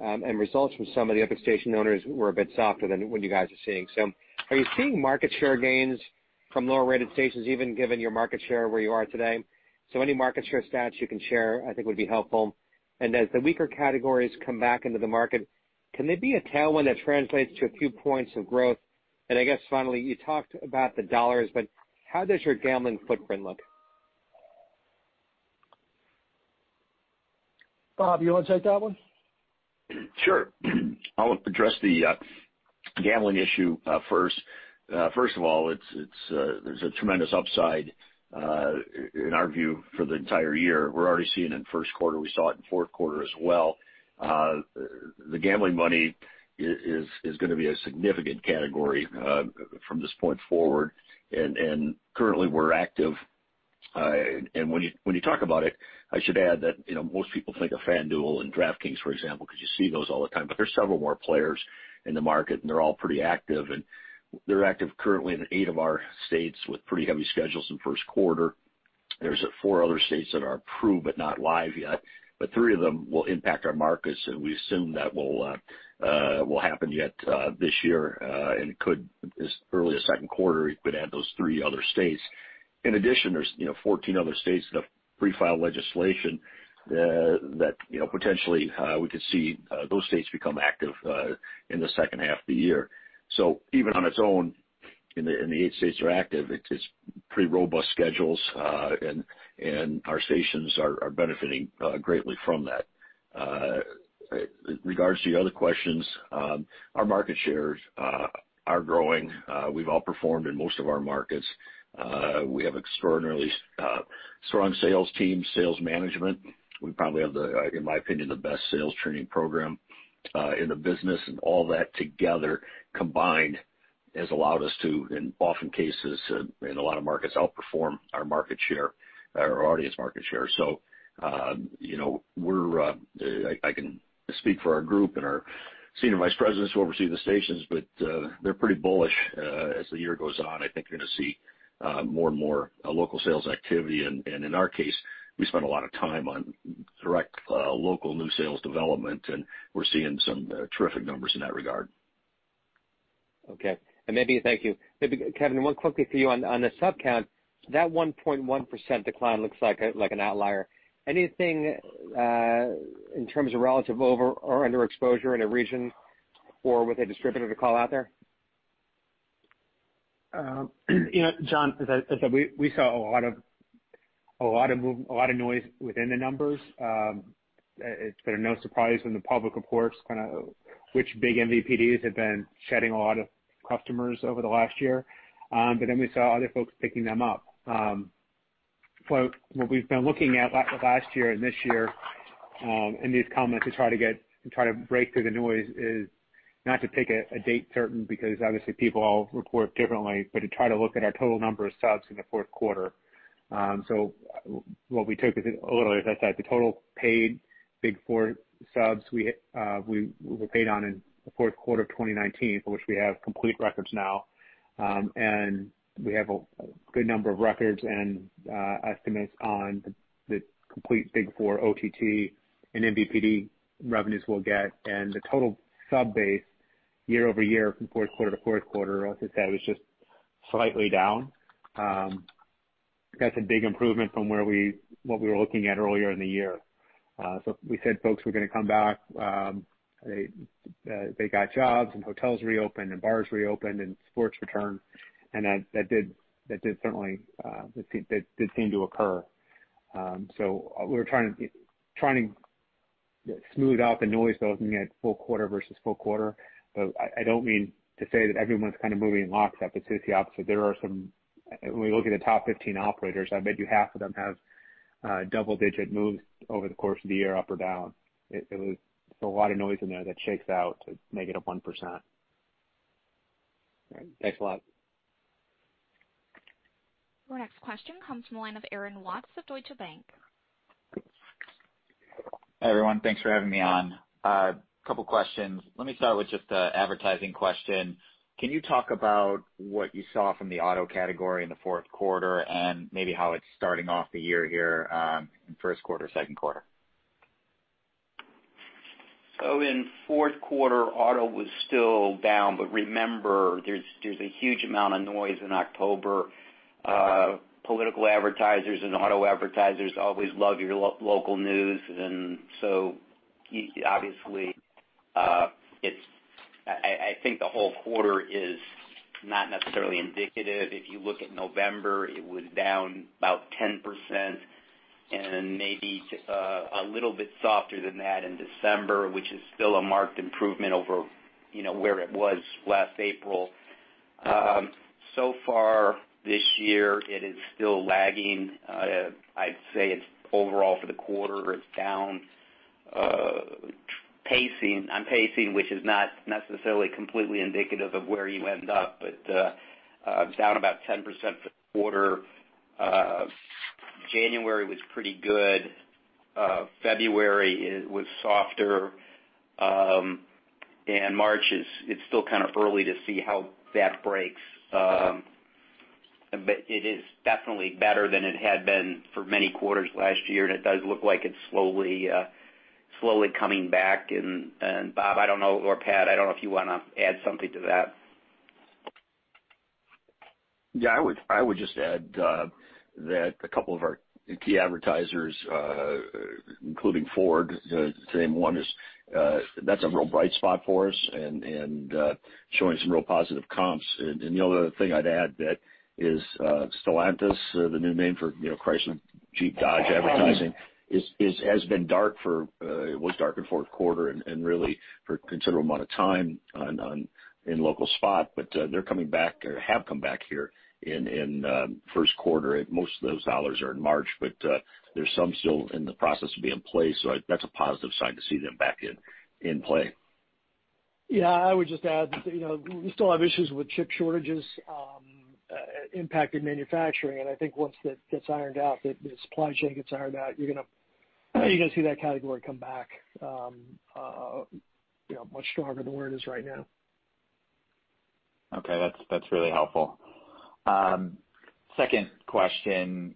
and results from some of the other station owners were a bit softer than what you guys are seeing. Are you seeing market share gains from lower-rated stations, even given your market share where you are today? Any market share stats you can share, I think would be helpful. As the weaker categories come back into the market, can they be a tailwind that translates to a few points of growth? I guess finally, you talked about the dollars, but how does your gambling footprint look? Bob, you want to take that one? Sure. I'll address the gambling issue first. First of all, there's a tremendous upside, in our view, for the entire year. We're already seeing it in Q1. We saw it in Q4 as well. The gambling money is going to be a significant category from this point forward, and currently we're active. When you talk about it, I should add that most people think of FanDuel and DraftKings, for example, because you see those all the time, but there's several more players in the market, and they're all pretty active. They're active currently in eight of our states with pretty heavy schedules in Q1. There's four other states that are approved but not live yet, but three of them will impact our markets, and we assume that will happen yet this year, and could as early as Q2. You could add those three other states. In addition, there's 14 other states that have pre-filed legislation that potentially we could see those states become active in the second half of the year. Even on its own, in the eight states that are active, it's pretty robust schedules, and our stations are benefiting greatly from that. In regards to your other questions, our market shares are growing. We've outperformed in most of our markets. We have extraordinarily strong sales team, sales management. We probably have, in my opinion, the best sales training program in the business. All that together combined has allowed us to, in often cases, in a lot of markets, outperform our audience market share. I can speak for our group and our senior vice presidents who oversee the stations, they're pretty bullish as the year goes on. I think you're going to see more and more local sales activity. In our case, we spend a lot of time on direct local new sales development, and we're seeing some terrific numbers in that regard. Okay. Maybe, thank you. Maybe Kevin, one quickly for you on the sub count. That 1.1% decline looks like an outlier. Anything in terms of relative over or under exposure in a region or with a distributor to call out there? John, as I said, we saw a lot of noise within the numbers. It's been no surprise when the public reports which big MVPDs have been shedding a lot of customers over the last year. We saw other folks picking them up. What we've been looking at last year and this year in these comments to try to break through the noise is not to pick a date certain, because obviously people all report differently, but to try to look at our total number of subs in the Q4. What we took is, literally, as I said, the total paid big four subs were paid on in the Q4 of 2019, for which we have complete records now, and we have a good number of records and estimates on the complete big four OTT and MVPD revenues we'll get. The total sub base year-over-year from Q4 to Q4, like I said, was just slightly down. That's a big improvement from what we were looking at earlier in the year. We said folks were going to come back. They got jobs and hotels reopened and bars reopened and sports returned. That did seem to occur. We were trying to smooth out the noise, though, looking at full quarter versus full quarter. I don't mean to say that everyone's kind of moving in lockstep. It's just the opposite. When we look at the top 15 operators, I bet you half of them have double-digit moves over the course of the year, up or down. There's a lot of noise in there that shakes out to negative 1%. All right. Thanks a lot. Our next question comes from the line of Aaron Watts of Deutsche Bank. Hi, everyone. Thanks for having me on. A couple questions. Let me start with just an advertising question. Can you talk about what you saw from the auto category in the Q4 and maybe how it's starting off the year here in Q1, Q2? In Q4, auto was still down, but remember, there's a huge amount of noise in October. Political advertisers and auto advertisers always love your local news, and so obviously, I think the whole quarter is not necessarily indicative. If you look at November, it was down about 10% and maybe a little bit softer than that in December, which is still a marked improvement over where it was last April. Far this year, it is still lagging. I'd say overall for the quarter, it's down. On pacing, which is not necessarily completely indicative of where you end up, but down about 10% for the quarter. January was pretty good. February was softer. March, it's still kind of early to see how that breaks. It is definitely better than it had been for many quarters last year, and it does look like it's slowly coming back. Bob, I don't know, or Pat, I don't know if you want to add something to that. Yeah, I would just add that a couple of our key advertisers, including Ford, to name one, that's a real bright spot for us and showing some real positive comps. The other thing I'd add that is Stellantis, the new name for Chrysler Jeep Dodge advertising, was dark in Q4 and really for a considerable amount of time in local spot. They're coming back or have come back here in Q1. Most of those dollars are in March, but there's some still in the process of being placed. That's a positive sign to see them back in play. Yeah, I would just add, we still have issues with chip shortages impacting manufacturing, and I think once the supply chain gets ironed out, you're going to see that category come back much stronger than where it is right now. Okay, that's really helpful. Second question,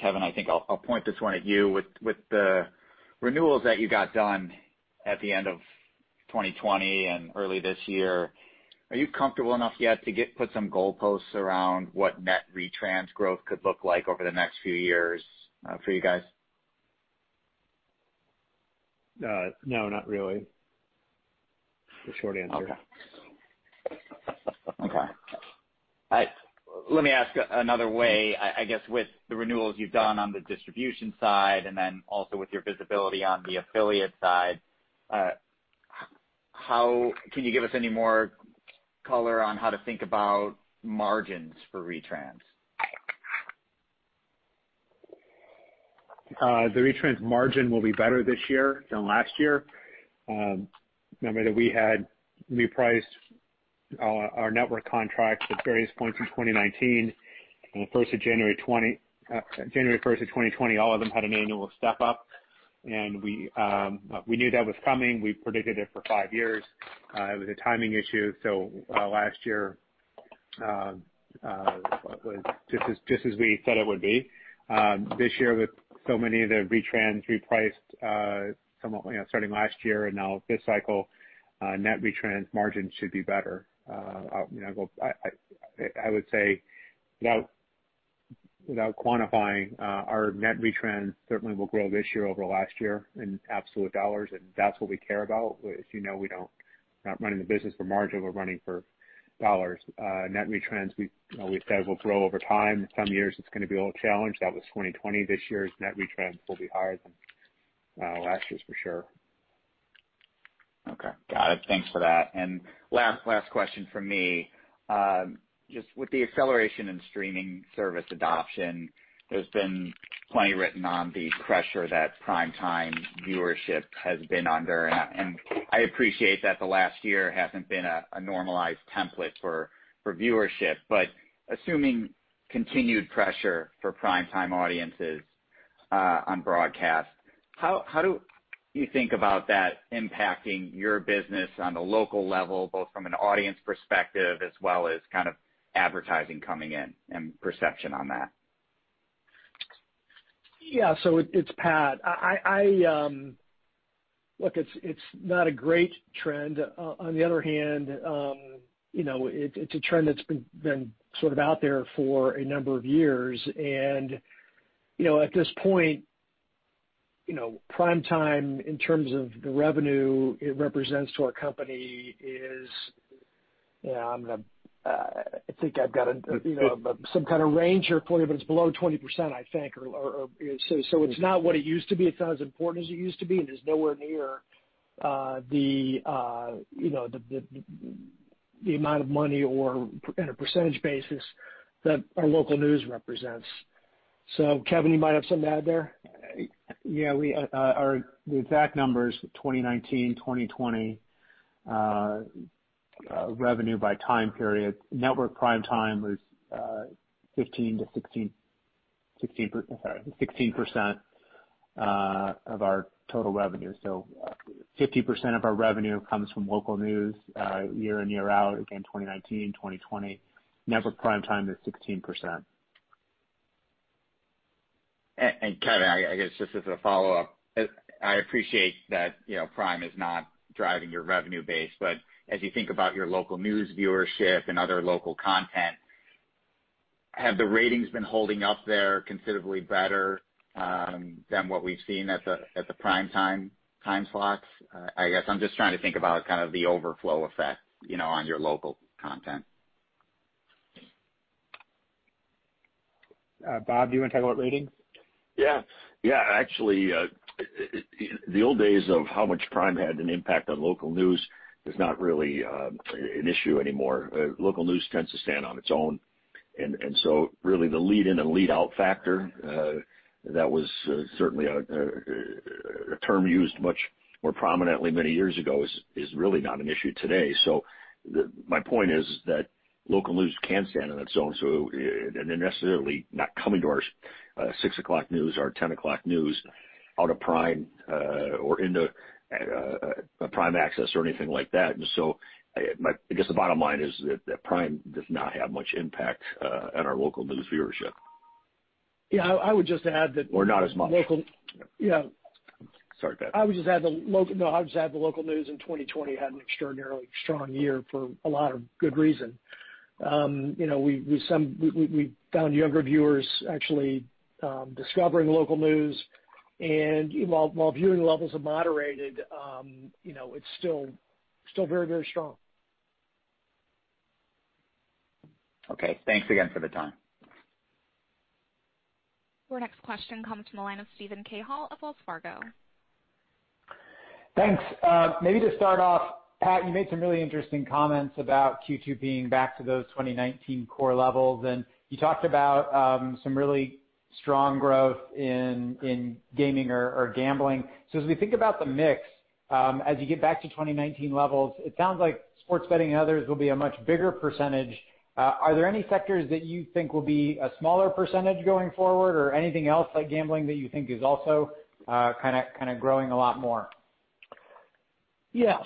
Kevin, I think I'll point this one at you. With the renewals that you got done at the end of 2020 and early this year, are you comfortable enough yet to put some goalposts around what net retrans growth could look like over the next few years for you guys? No, not really. The short answer. Okay. Let me ask another way. I guess with the renewals you've done on the distribution side and then also with your visibility on the affiliate side, can you give us any more color on how to think about margins for retrans? The retrans margin will be better this year than last year. Remember that we had repriced our network contracts at various points in 2019. On January 1st of 2020, all of them had an annual step-up, and we knew that was coming. We predicted it for five years. It was a timing issue. Last year was just as we said it would be. This year, with so many of the retrans repriced starting last year and now this cycle, net retrans margins should be better. I would say, without quantifying, our net retrans certainly will grow this year over last year in absolute dollars, and that's what we care about. As you know, we're not running the business for margin, we're running for dollars. Net retrans, we've said, will grow over time. Some years it's going to be a little challenged. That was 2020. This year's net retrans will be higher than last year's for sure. Okay. Got it. Thanks for that last question from me. Just with the acceleration in streaming service adoption, there's been plenty written on the pressure that prime time viewership has been under. I appreciate that the last year hasn't been a normalized template for viewership. Assuming continued pressure for prime time audiences on broadcast, how do you think about that impacting your business on the local level, both from an audience perspective as well as advertising coming in and perception on that? Yeah. It's Pat. Look, it's not a great trend. On the other hand, it's a trend that's been sort of out there for a number of years. At this point, prime time in terms of the revenue it represents to our company is, I think I've got some kind of range here for you, but it's below 20%, I think. It's not what it used to be, it's not as important as it used to be, and it's nowhere near the amount of money or in a percentage basis that our local news represents. Kevin, you might have something to add there? Yeah. The exact numbers for 2019, 2020, revenue by time period. Network prime time was 15%-16% of our total revenue. 50% of our revenue comes from local news year in, year out. Again, 2019, 2020. Network prime time is 16%. Kevin, I guess just as a follow-up. I appreciate that prime is not driving your revenue base. As you think about your local news viewership and other local content, have the ratings been holding up there considerably better than what we've seen at the prime time slots? I guess I'm just trying to think about kind of the overflow effect on your local content. Bob, do you want to talk about ratings? Actually, the old days of how much prime had an impact on local news is not really an issue anymore. Local news tends to stand on its own, really the lead in and lead out factor, that was certainly a term used much more prominently many years ago, is really not an issue today. My point is that local news can stand on its own. They're necessarily not coming to our 6:00 news, our 10:00 news out of prime or into prime access or anything like that. I guess the bottom line is that prime does not have much impact on our local news viewership. Yeah, I would just add that local-. Not as much. Yeah. Sorry, Pat. I would just add that local news in 2020 had an extraordinarily strong year for a lot of good reason. We found younger viewers actually discovering local news. While viewing levels have moderated, it's still very strong. Okay. Thanks again for the time. Your next question comes from the line of Steven Cahall of Wells Fargo. Thanks. Maybe to start off, Pat, you made some really interesting comments about Q2 being back to those 2019 core levels. You talked about some really strong growth in gaming or gambling. As we think about the mix as you get back to 2019 levels, it sounds like sports betting and others will be a much bigger %. Are there any sectors that you think will be a smaller % going forward? Anything else like gambling that you think is also kind of growing a lot more? Yeah.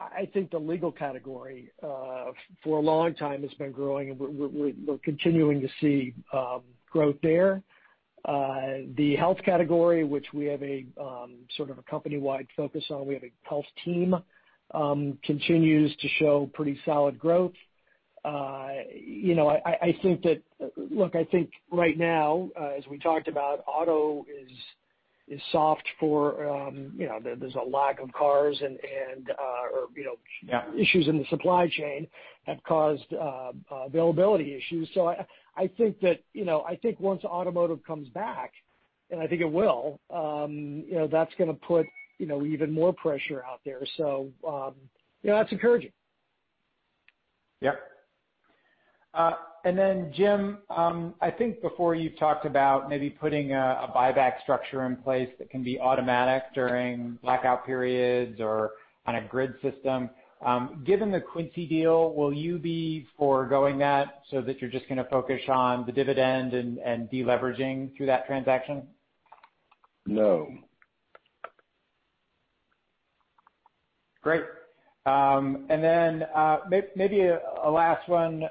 I think the legal category, for a long time has been growing and we're continuing to see growth there. The health category, which we have a sort of a company-wide focus on, we have a health team, continues to show pretty solid growth. Look, I think right now, as we talked about, auto is soft. There's a lack of cars and issues in the supply chain have caused availability issues. I think once automotive comes back, and I think it will, that's going to put even more pressure out there. That's encouraging. Yep. Jim, I think before you've talked about maybe putting a buyback structure in place that can be automatic during blackout periods or on a grid system. Given the Quincy deal, will you be foregoing that so that you're just going to focus on the dividend and de-leveraging through that transaction? No. Great. Maybe a last one.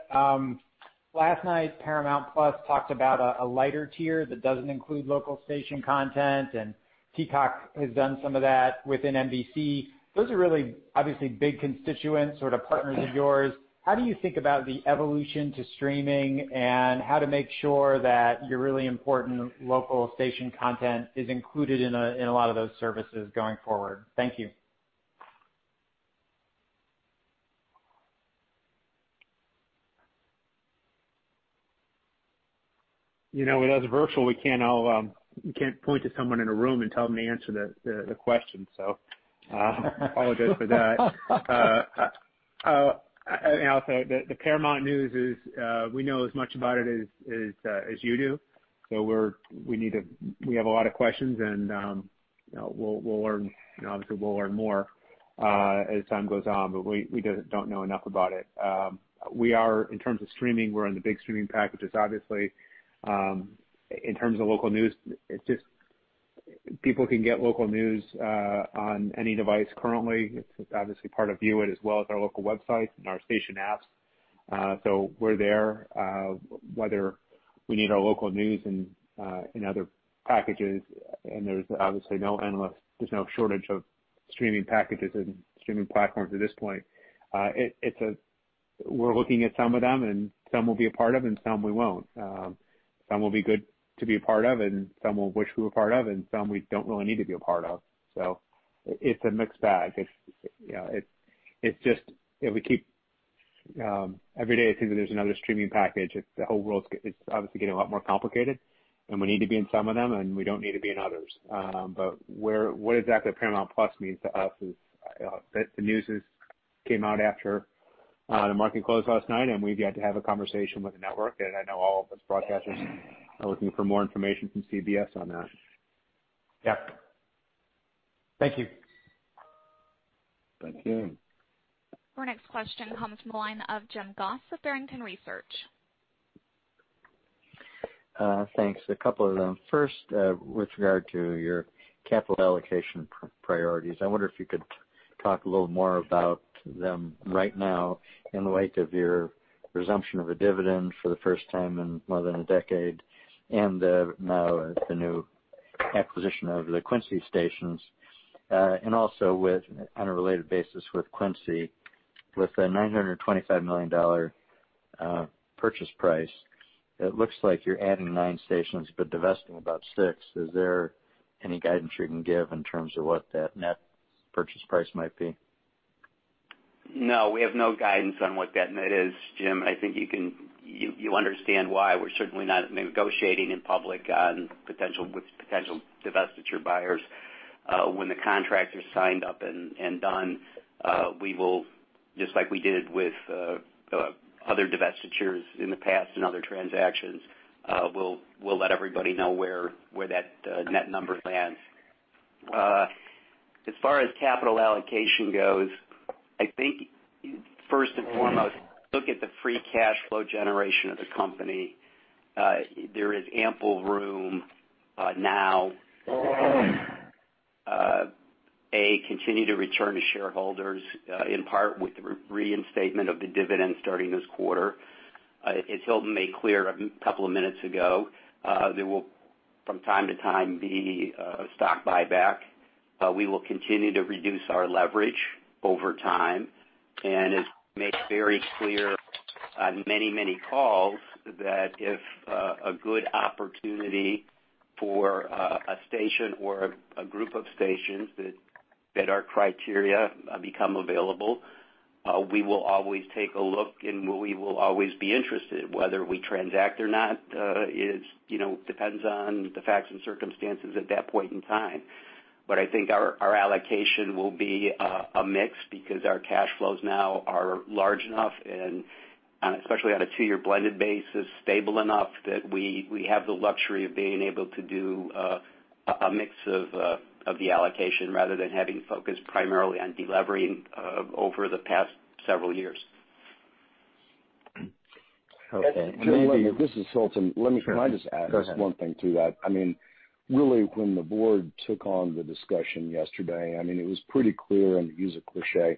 Last night, Paramount+ talked about a lighter tier that doesn't include local station content, and Peacock has done some of that within NBC. Those are really obviously big constituents, sort of partners of yours. How do you think about the evolution to streaming and how to make sure that your really important local station content is included in a lot of those services going forward? Thank you. As a virtual, we can't point to someone in a room and tell them to answer the question. I apologize for that. The Paramount+ news is, we know as much about it as you do. We have a lot of questions and obviously, we'll learn more as time goes on, but we don't know enough about it. In terms of streaming, we're in the big streaming packages, obviously. In terms of local news, people can get local news on any device currently. It's obviously part of VUit as well as our local websites and our station apps. We're there whether we need our local news in other packages, and there's obviously no shortage of streaming packages and streaming platforms at this point. We're looking at some of them, and some we'll be a part of, and some we won't. Some will be good to be a part of, and some we'll wish we were a part of, and some we don't really need to be a part of. It's a mixed bag. Every day it seems that there's another streaming package. The whole world is obviously getting a lot more complicated, and we need to be in some of them, and we don't need to be in others. What exactly Paramount+ means to us is The news came out after the market closed last night, and we've yet to have a conversation with the network. I know all of us broadcasters are looking for more information from CBS on that. Yeah. Thank you. Thank you. Our next question comes from the line of Jim Goss with Barrington Research. Thanks. A couple of them. First, with regard to your capital allocation priorities, I wonder if you could talk a little more about them right now in light of your resumption of a dividend for the first time in more than a decade, and now the new acquisition of the Quincy stations. Also, on a related basis with Quincy, with a $925 million purchase price, it looks like you're adding nine stations but divesting about six. Is there any guidance you can give in terms of what that net purchase price might be? No, we have no guidance on what that net is, Jim. I think you understand why. We're certainly not negotiating in public with potential divestiture buyers. When the contract is signed up and done, we will, just like we did with other divestitures in the past and other transactions, we'll let everybody know where that net number lands. As far as capital allocation goes, I think first and foremost, look at the free cash flow generation of the company. There is ample room now, A, continue to return to shareholders, in part with the reinstatement of the dividend starting this quarter. As Hilton made clear a couple of minutes ago, there will, from time to time, be a stock buyback. We will continue to reduce our leverage over time, and as made very clear on many calls, that if a good opportunity for a station or a group of stations that our criteria become available, we will always take a look, and we will always be interested. Whether we transact or not depends on the facts and circumstances at that point in time. I think our allocation will be a mix because our cash flows now are large enough and, especially on a two-year blended basis, stable enough that we have the luxury of being able to do a mix of the allocation rather than having focused primarily on delevering over the past several years. Okay. This is Hilton. Can I just add? Sure. Go ahead. Just one thing to that. Really, when the board took on the discussion yesterday, it was pretty clear, and to use a cliche,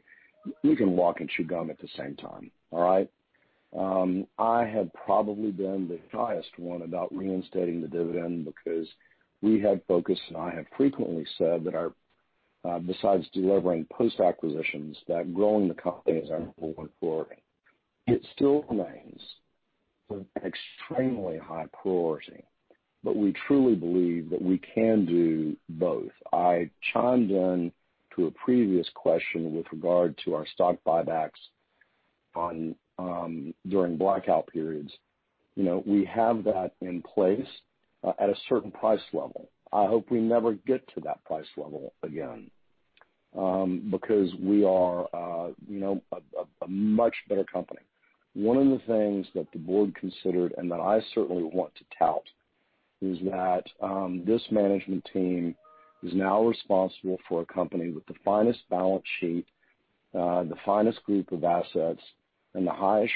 you can walk and chew gum at the same time. All right? I had probably been the highest one about reinstating the dividend because we had focused, and I have frequently said that besides delevering post-acquisitions, that growing the company is our number 1 priority. It still remains an extremely high priority. We truly believe that we can do both. I chimed in to a previous question with regard to our stock buybacks during blackout periods. We have that in place at a certain price level. I hope we never get to that price level again because we are a much better company. One of the things that the board considered, and that I certainly want to tout, is that this management team is now responsible for a company with the finest balance sheet, the finest group of assets, and the highest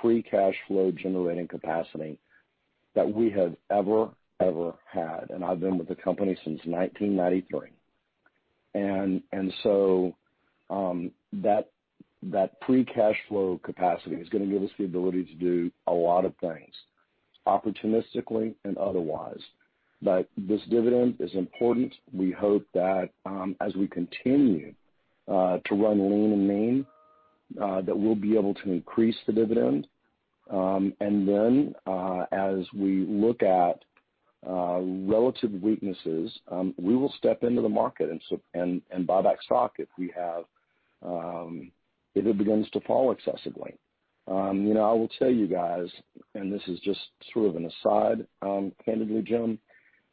free cash flow generating capacity that we have ever had. I've been with the company since 1993. That free cash flow capacity is going to give us the ability to do a lot of things, opportunistically and otherwise. This dividend is important. We hope that as we continue to run lean and mean, that we'll be able to increase the dividend. Relative weaknesses, we will step into the market and buy back stock if it begins to fall excessively. I will tell you guys, and this is just sort of an aside, candidly, Jim,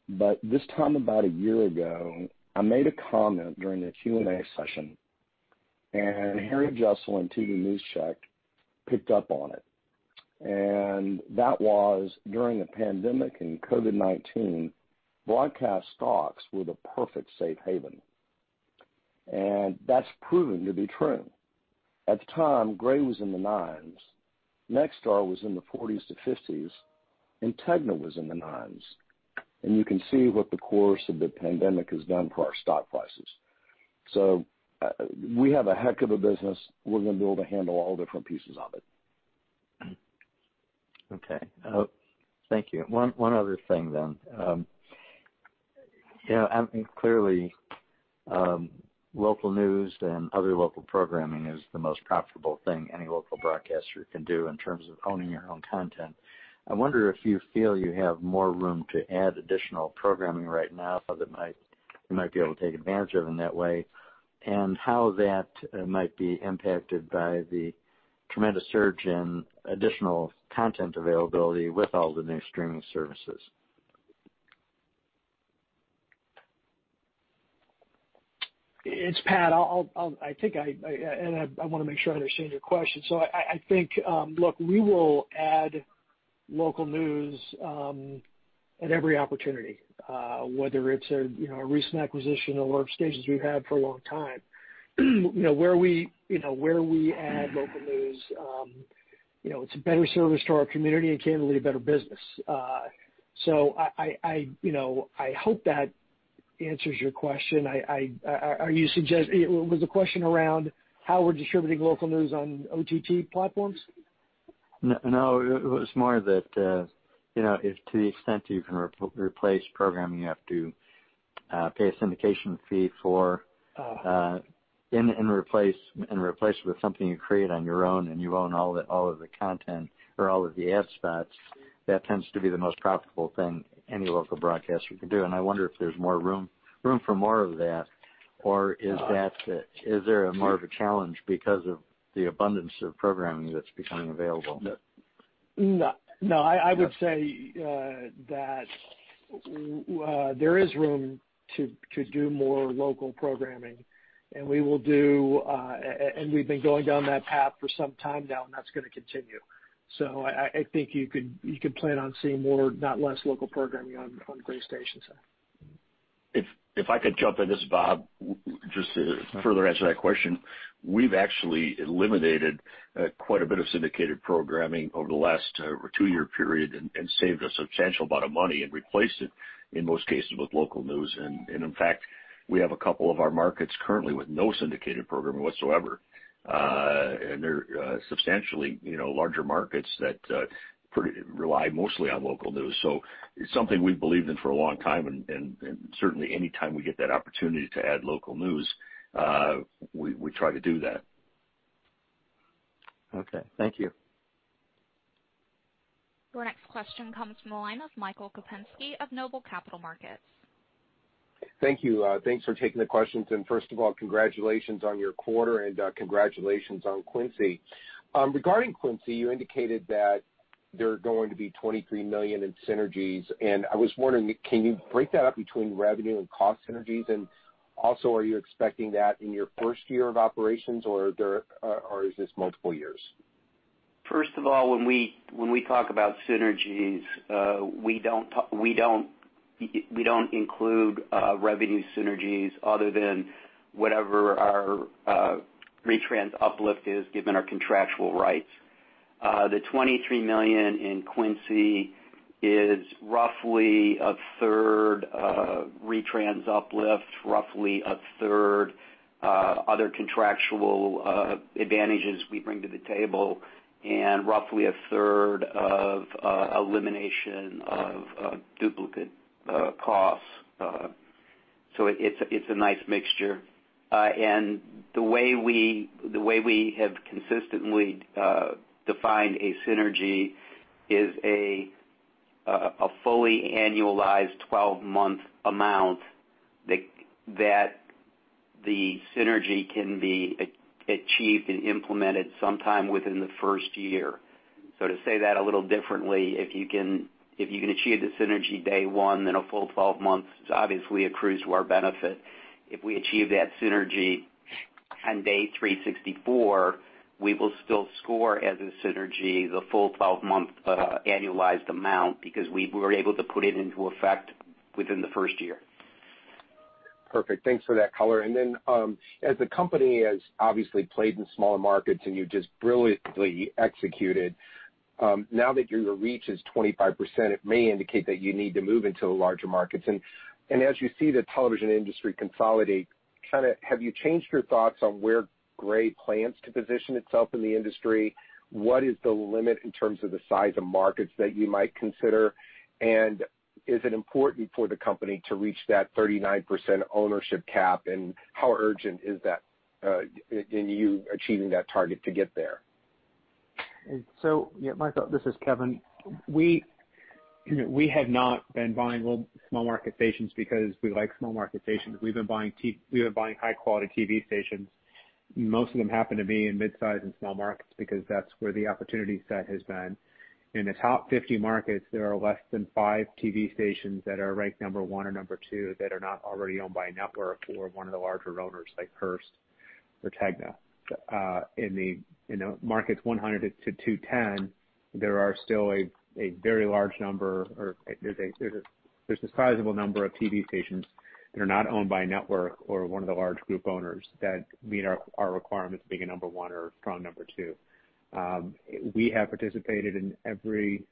but this time about a year ago, I made a comment during a Q&A session, and Harry Jessell and TVNewsCheck picked up on it. That was during the pandemic and COVID-19, broadcast stocks were the perfect safe haven, and that's proven to be true. At the time, Gray was in the $9s, Nexstar was in the $40s-$50s, and Tegna was in the $9s. You can see what the course of the pandemic has done for our stock prices. We have a heck of a business. We're going to be able to handle all different pieces of it. Okay. Thank you. One other thing. Clearly, local news and other local programming is the most profitable thing any local broadcaster can do in terms of owning your own content. I wonder if you feel you have more room to add additional programming right now, so that might be able to take advantage of in that way, and how that might be impacted by the tremendous surge in additional content availability with all the new streaming services. It's Pat. I want to make sure I understand your question. I think, look, we will add local news at every opportunity, whether it's a recent acquisition or large stations we've had for a long time. Where we add local news, it's a better service to our community and candidly, a better business. I hope that answers your question. Was the question around how we're distributing local news on OTT platforms? No, it was more that, if to the extent you can replace programming, you have to pay a syndication fee for. Oh and replace it with something you create on your own, and you own all of the content or all of the ad spots. That tends to be the most profitable thing any local broadcaster can do. I wonder if there's room for more of that, or is there more of a challenge because of the abundance of programming that's becoming available? No. I would say that there is room to do more local programming, and we've been going down that path for some time now, and that's going to continue. I think you could plan on seeing more, not less local programming on Gray stations. If I could jump in. This is Bob. Just to further answer that question, we've actually eliminated quite a bit of syndicated programming over the last two-year period and saved a substantial amount of money and replaced it in most cases with local news. In fact, we have a couple of our markets currently with no syndicated programming whatsoever. They're substantially larger markets that rely mostly on local news. It's something we've believed in for a long time, and certainly, anytime we get that opportunity to add local news, we try to do that. Okay. Thank you Your next question comes from the line of Michael Kupinski of Noble Capital Markets. Thank you. Thanks for taking the questions. First of all, congratulations on your quarter, and congratulations on Quincy. Regarding Quincy, you indicated that there are going to be $23 million in synergies, and I was wondering, can you break that up between revenue and cost synergies? Also, are you expecting that in your first year of operations, or is this multiple years? First of all, when we talk about synergies, we don't include revenue synergies other than whatever our retrans uplift is, given our contractual rights. The $23 million in Quincy is roughly a third retrans uplift, roughly a third other contractual advantages we bring to the table, and roughly a third of elimination of duplicate costs. It's a nice mixture. The way we have consistently defined a synergy is a fully annualized 12-month amount that the synergy can be achieved and implemented sometime within the first year. To say that a little differently, if you can achieve the synergy day one, then a full 12 months obviously accrues to our benefit. If we achieve that synergy on day 364, we will still score as a synergy the full 12-month annualized amount because we were able to put it into effect within the first year. Perfect. Thanks for that color. Then, as the company has obviously played in smaller markets, and you've just brilliantly executed. Now that your reach is 25%, it may indicate that you need to move into the larger markets. As you see the television industry consolidate, have you changed your thoughts on where Gray plans to position itself in the industry? What is the limit in terms of the size of markets that you might consider? Is it important for the company to reach that 39% ownership cap, and how urgent is that in you achieving that target to get there? Yeah, Michael, this is Kevin. We have not been buying small market stations because we like small market stations. We've been buying high-quality TV stations. Most of them happen to be in mid-size and small markets because that's where the opportunity set has been. In the top 50 markets, there are less than five TV stations that are ranked number one or number two that are not already owned by a network or one of the larger owners like Hearst or Tegna. In the markets 100 to 210, there are still a very large number, or there's a sizable number of TV stations that are not owned by a network or one of the large group owners that meet our requirements of being a number one or strong number two. We have participated in every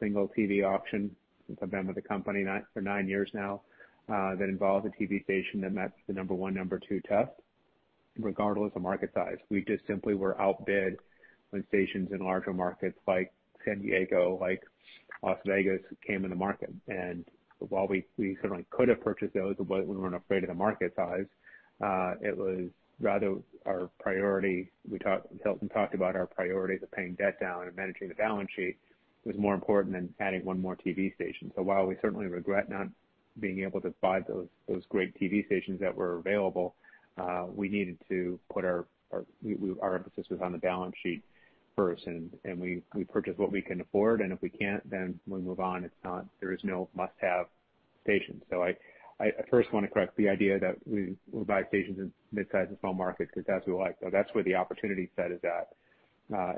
single TV auction since I've been with the company for nine years now, that involves a TV station that matched the number 1, number 2 test, regardless of market size. We just simply were outbid when stations in larger markets like San Diego, like Las Vegas, came in the market. While we certainly could have purchased those, but we weren't afraid of the market size. It was rather our priority. Hilton talked about our priorities of paying debt down and managing the balance sheet was more important than adding one more TV station. While we certainly regret not being able to buy those great TV stations that were available, our emphasis was on the balance sheet first, and we purchase what we can afford, and if we can't, then we move on. There is no must-have station. I first want to correct the idea that we buy stations in mid-size and small markets because that's what we like. That's where the opportunity set is at.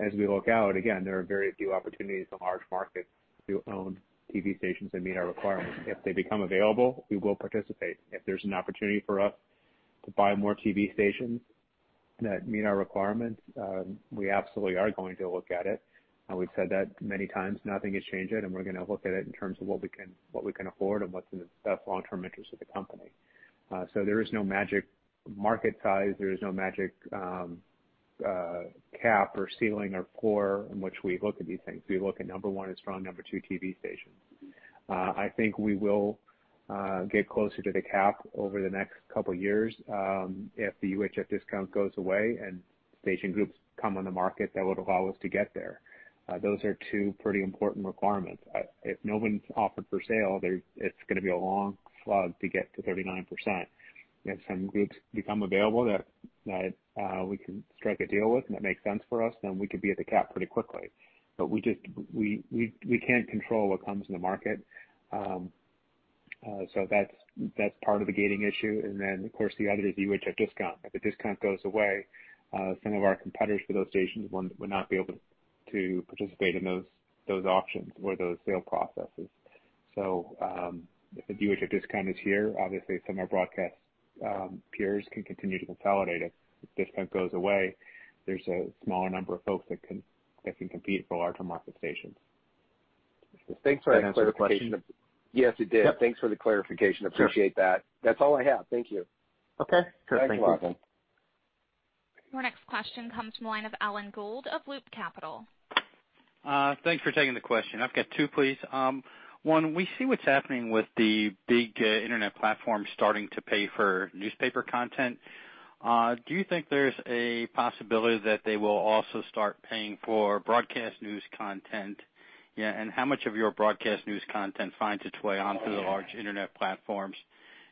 As we look out, again, there are very few opportunities in large markets to own TV stations that meet our requirements. If they become available, we will participate. If there's an opportunity for us to buy more TV stations that meet our requirements, we absolutely are going to look at it. We've said that many times, nothing has changed it, and we're going to look at it in terms of what we can afford and what's in the long-term interest of the company. There is no magic market size. There is no magic cap or ceiling or floor in which we look at these things. We look at number one and strong number two TV stations. I think we will get closer to the cap over the next couple of years. If the UHF discount goes away and station groups come on the market, that would allow us to get there. Those are two pretty important requirements. If no one's offered for sale, it's going to be a long slog to get to 39%. If some groups become available that we can strike a deal with and that makes sense for us, we could be at the cap pretty quickly. We can't control what comes in the market. That's part of the gating issue. Of course, the other is the UHF discount. If the discount goes away, some of our competitors for those stations would not be able to participate in those auctions or those sale processes. If the UHF discount is here, obviously some of our broadcast peers can continue to consolidate. If the discount goes away, there's a smaller number of folks that can compete for larger market stations. Does that answer the question? Yes, it did. Yep. Thanks for the clarification. Sure. Appreciate that. That's all I have. Thank you. Okay. Sure thing. Thanks a lot. Your next question comes from the line of Alan Gould of Loop Capital. Thanks for taking the question. I've got two, please. One, we see what's happening with the big internet platforms starting to pay for newspaper content. Do you think there's a possibility that they will also start paying for broadcast news content? Yeah. How much of your broadcast news content finds its way onto the large internet platforms?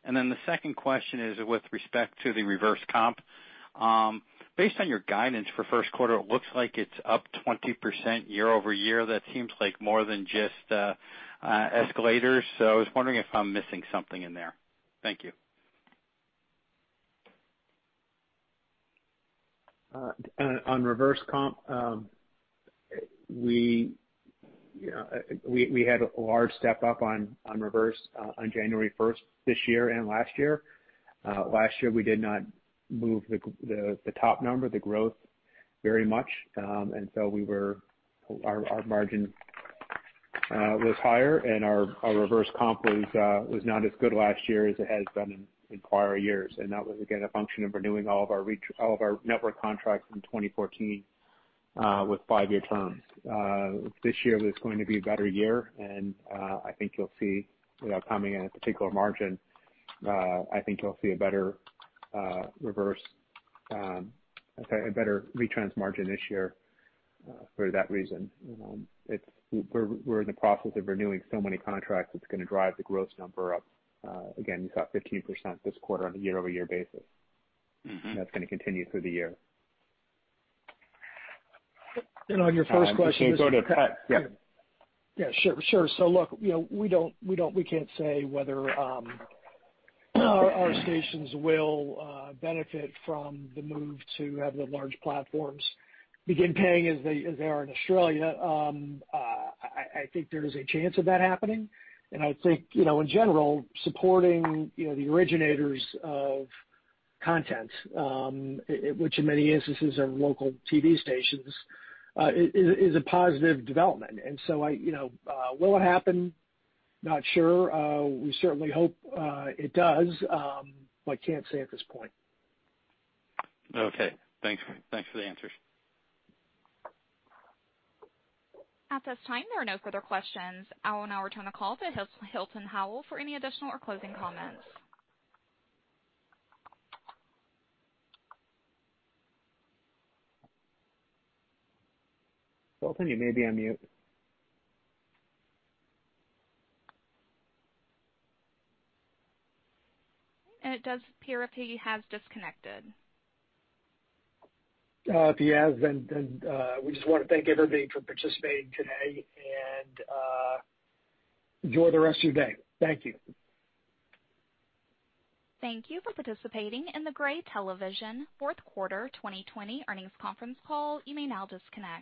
The second question is with respect to the reverse compensation. Based on your guidance for Q1, it looks like it's up 20% year-over-year. That seems like more than just escalators. I was wondering if I'm missing something in there. Thank you. On reverse compensation, we had a large step-up on reverse on January 1st this year and last year. Last year, we did not move the top number, the growth very much. Our margin was higher, and our reverse compensation was not as good last year as it has been in prior years. That was, again, a function of renewing all of our network contracts in 2014 with five-year terms. This year was going to be a better year, and I think you'll see coming in at particular margin. I think you'll see a better retrans margin this year for that reason. We're in the process of renewing so many contracts, it's going to drive the gross number up. Again, you saw 15% this quarter on a year-over-year basis. That's going to continue through the year. On your first question. This can go to Pat. Yeah. Yeah, sure. Look, we can't say whether our stations will benefit from the move to have the large platforms begin paying as they are in Australia. I think there is a chance of that happening, and I think in general, supporting the originators of content, which in many instances are local TV stations, is a positive development. Will it happen? Not sure. We certainly hope it does. Can't say at this point. Okay. Thanks for the answers. At this time, there are no further questions. I will now return the call to Hilton Howell for any additional or closing comments. Hilton, you may be on mute. It does appear that he has disconnected. If he has, we just want to thank everybody for participating today, and enjoy the rest of your day. Thank you. Thank you for participating in the Gray Television Q4 2020 earnings conference call. You may now disconnect.